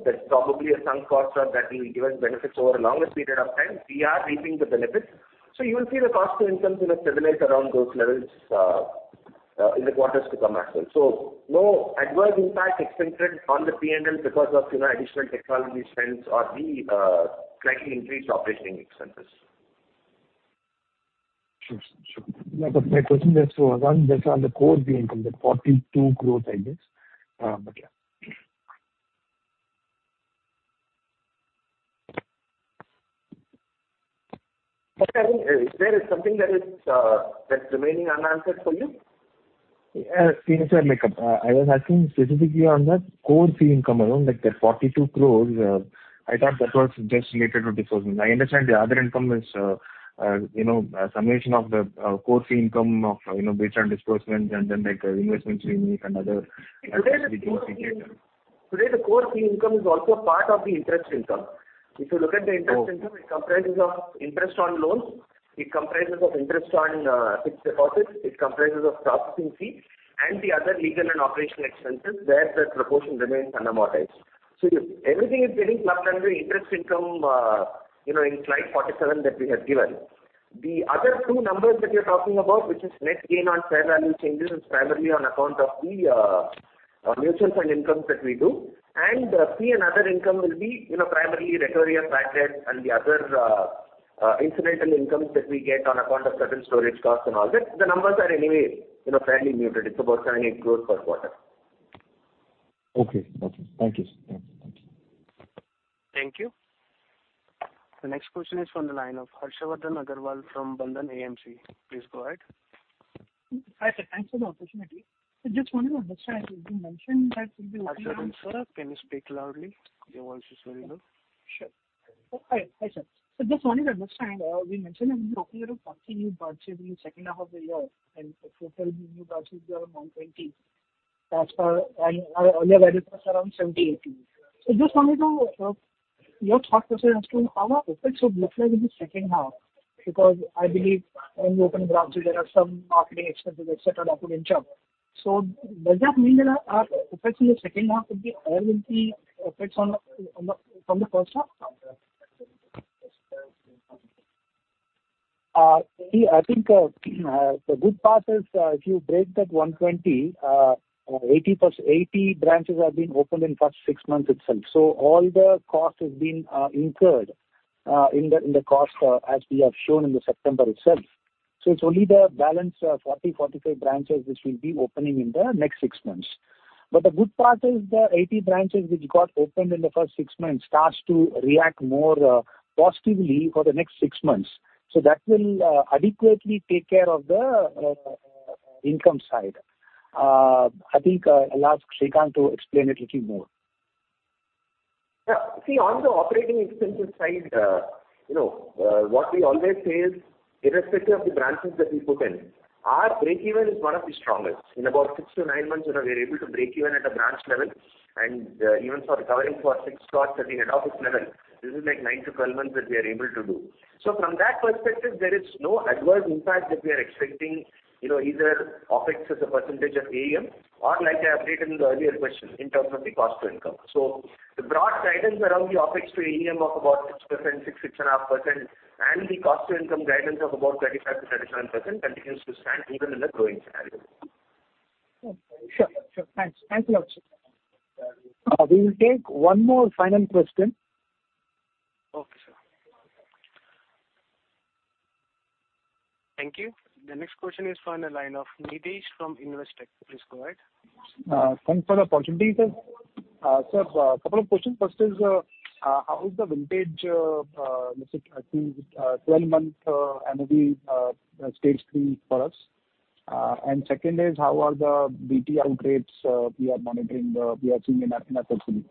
that's probably a sunk cost or that will give us benefits over a longer period of time. We are reaping the benefits. So you will see the cost to income, you know, stabilize around those levels in the quarters to come as well. So no adverse impact expected on the P&L because of, you know, additional technology spends or the slightly increased operating expenses. Sure, sure. My question was so on, just on the core, the income, the 42 growth, I guess, but yeah. Is there something that is, that's remaining unanswered for you? Yeah, sir, like, I was asking specifically on the core fee income alone, like the 42 crore, I thought that was just related to disbursements. I understand the other income is, you know, a summation of the core fee income of, you know, based on disbursements and then, like, investment fee and other- Today, the core fee income is also part of the interest income. If you look at the interest income, it comprises of interest on loans, it comprises of interest on fixed deposits, it comprises of processing fees and the other legal and operational expenses where the proportion remains unamortized. So everything is getting clubbed under the interest income, you know, in slide 47 that we have given. The other two numbers that you're talking about, which is net gain on fair value changes, is primarily on account of the mutual fund incomes that we do. And fee and other income will be, you know, primarily recovery of bad debt and the other incidental incomes that we get on account of certain storage costs and all that. The numbers are anyway, you know, fairly muted. It's about 10 crores per quarter. Okay. Okay. Thank you, sir. Thank you. Thank you. The next question is from the line of Harshavardhan Agrawal from Bandhan AMC. Please go ahead. Hi, sir, thanks for the opportunity. I just wanted to understand, you mentioned that- Harshavardhan sir, can you speak loudly? Your voice is very low. Sure. Hi, hi, sir. So just wanted to understand, we mentioned that we are opening around 40 new branches in the second half of the year, and the total new branches are around 20. As per our earlier guidance was around 78. So just wanted to know, your thought process as to how our OpEx would look like in the second half, because I believe in the open branches, there are some marketing expenses, et cetera, that would inch up. So does that mean that our OpEx in the second half would be more than the OpEx on the... From the first half? See, I think the good part is if you break that 120, 80+ 80 branches have been opened in first six months itself. So all the cost has been incurred in the cost as we have shown in the September itself. So it's only the balance 40-45 branches which will be opening in the next six months. But the good part is the 80 branches which got opened in the first six months starts to react more positively for the next six months. So that will adequately take care of the income side. I think I'll ask Srikanth to explain it little more. Yeah. See, on the operating expenses side, you know, what we always say is, irrespective of the branches that we put in, our break-even is one of the strongest. In about 6-9 months, you know, we are able to break even at a branch level, and, even for recovering for fixed costs at the head office level, this is like 9-12 months that we are able to do. So from that perspective, there is no adverse impact that we are expecting, you know, either OpEx as a percentage of AUM or like I updated in the earlier question, in terms of the cost to income. So the broad guidance around the OpEx to AUM of about 6%, 6-6.5%, and the cost to income guidance of about 35%-37% continues to stand even in the growing scenario. Okay. Sure. Sure. Thanks. Thank you, sir. We will take one more final question. Okay, sir. Thank you. The next question is from the line of Nitish from Investec. Please go ahead. Thanks for the opportunity, sir. Sir, a couple of questions. First is, how is the vintage, let's say, I think, 12-month annual, Stage Three for us? And second is, how are the BTL trades we are seeing in our facility?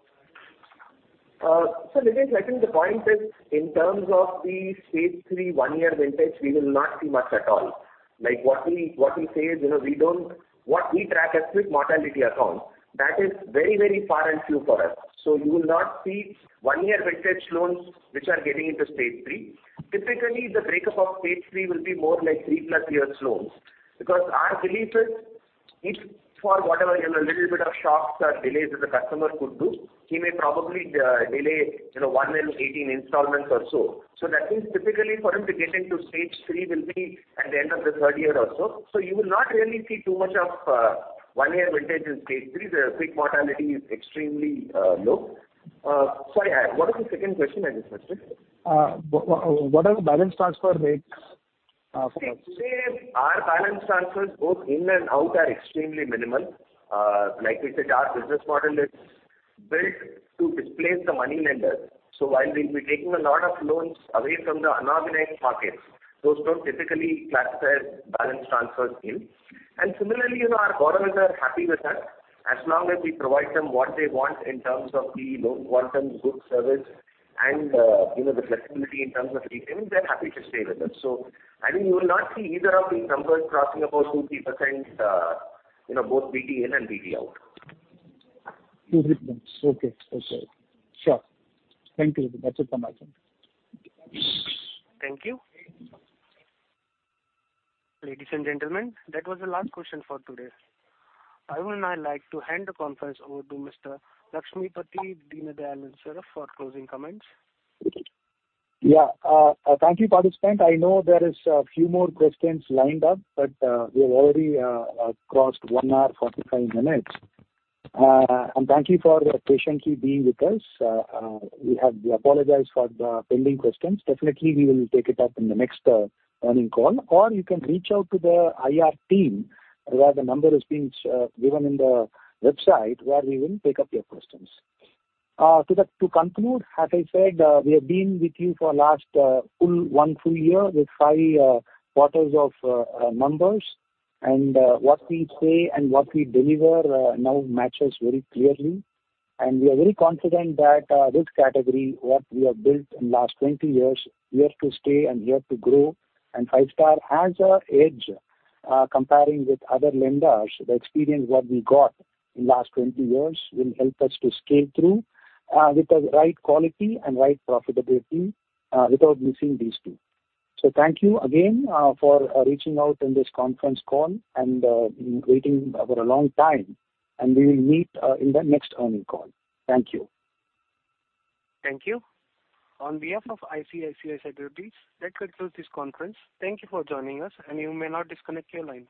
So Nitish, I think the point is, in terms of the stage three, one-year vintage, we will not see much at all. Like, what we say is, you know, we don't... What we track as quick mortality account, that is very, very far and few for us. So you will not see one-year vintage loans which are getting into stage three. Typically, the breakup of stage three will be more like three plus years loans. Because our belief is, if for whatever, you know, little bit of shocks or delays that the customer could do, he may probably, delay, you know, 1 in 18 installments or so. So that means typically for him to get into stage three will be at the end of the third year or so. So you will not really see too much of, one-year vintage in stage three. The quick mortality is extremely low. Sorry, what was the second question I just asked you? What are the balance transfer rates for us? Today, our balance transfers, both in and out, are extremely minimal. Like we said, our business model is built to displace the money lender. So while we will be taking a lot of loans away from the unorganized markets, those loans typically classify as balance transfers in. And similarly, you know, our borrowers are happy with us. As long as we provide them what they want in terms of the loan quantum, good service, and, you know, the flexibility in terms of repayment, they're happy to stay with us. So I think you will not see either of these numbers crossing above 2%-3%, you know, both BT in and BT out. 2%-3%. Okay. Okay. Sure. Thank you. That's it from my end. Thank you. Ladies and gentlemen, that was the last question for today. I would now like to hand the conference over to Mr. Lakshmipathy Deenadayalan for closing comments. Yeah, thank you, participants. I know there is a few more questions lined up, but we have already crossed 1 hour, 45 minutes. And thank you for patiently being with us. We apologize for the pending questions. Definitely, we will take it up in the next earnings call, or you can reach out to the IR team, where the number is being given in the website, where we will pick up your questions. To conclude, as I said, we have been with you for last full 1 full year, with 5 quarters of numbers. And what we say and what we deliver now matches very clearly. And we are very confident that this category, what we have built in last 20 years, here to stay and here to grow. Five-Star has an edge comparing with other lenders. The experience what we got in last 20 years will help us to scale through with the right quality and right profitability without missing these two. So thank you again for reaching out in this conference call and waiting for a long time, and we will meet in the next earning call. Thank you. Thank you. On behalf of ICICI Securities, that concludes this conference. Thank you for joining us, and you may now disconnect your line.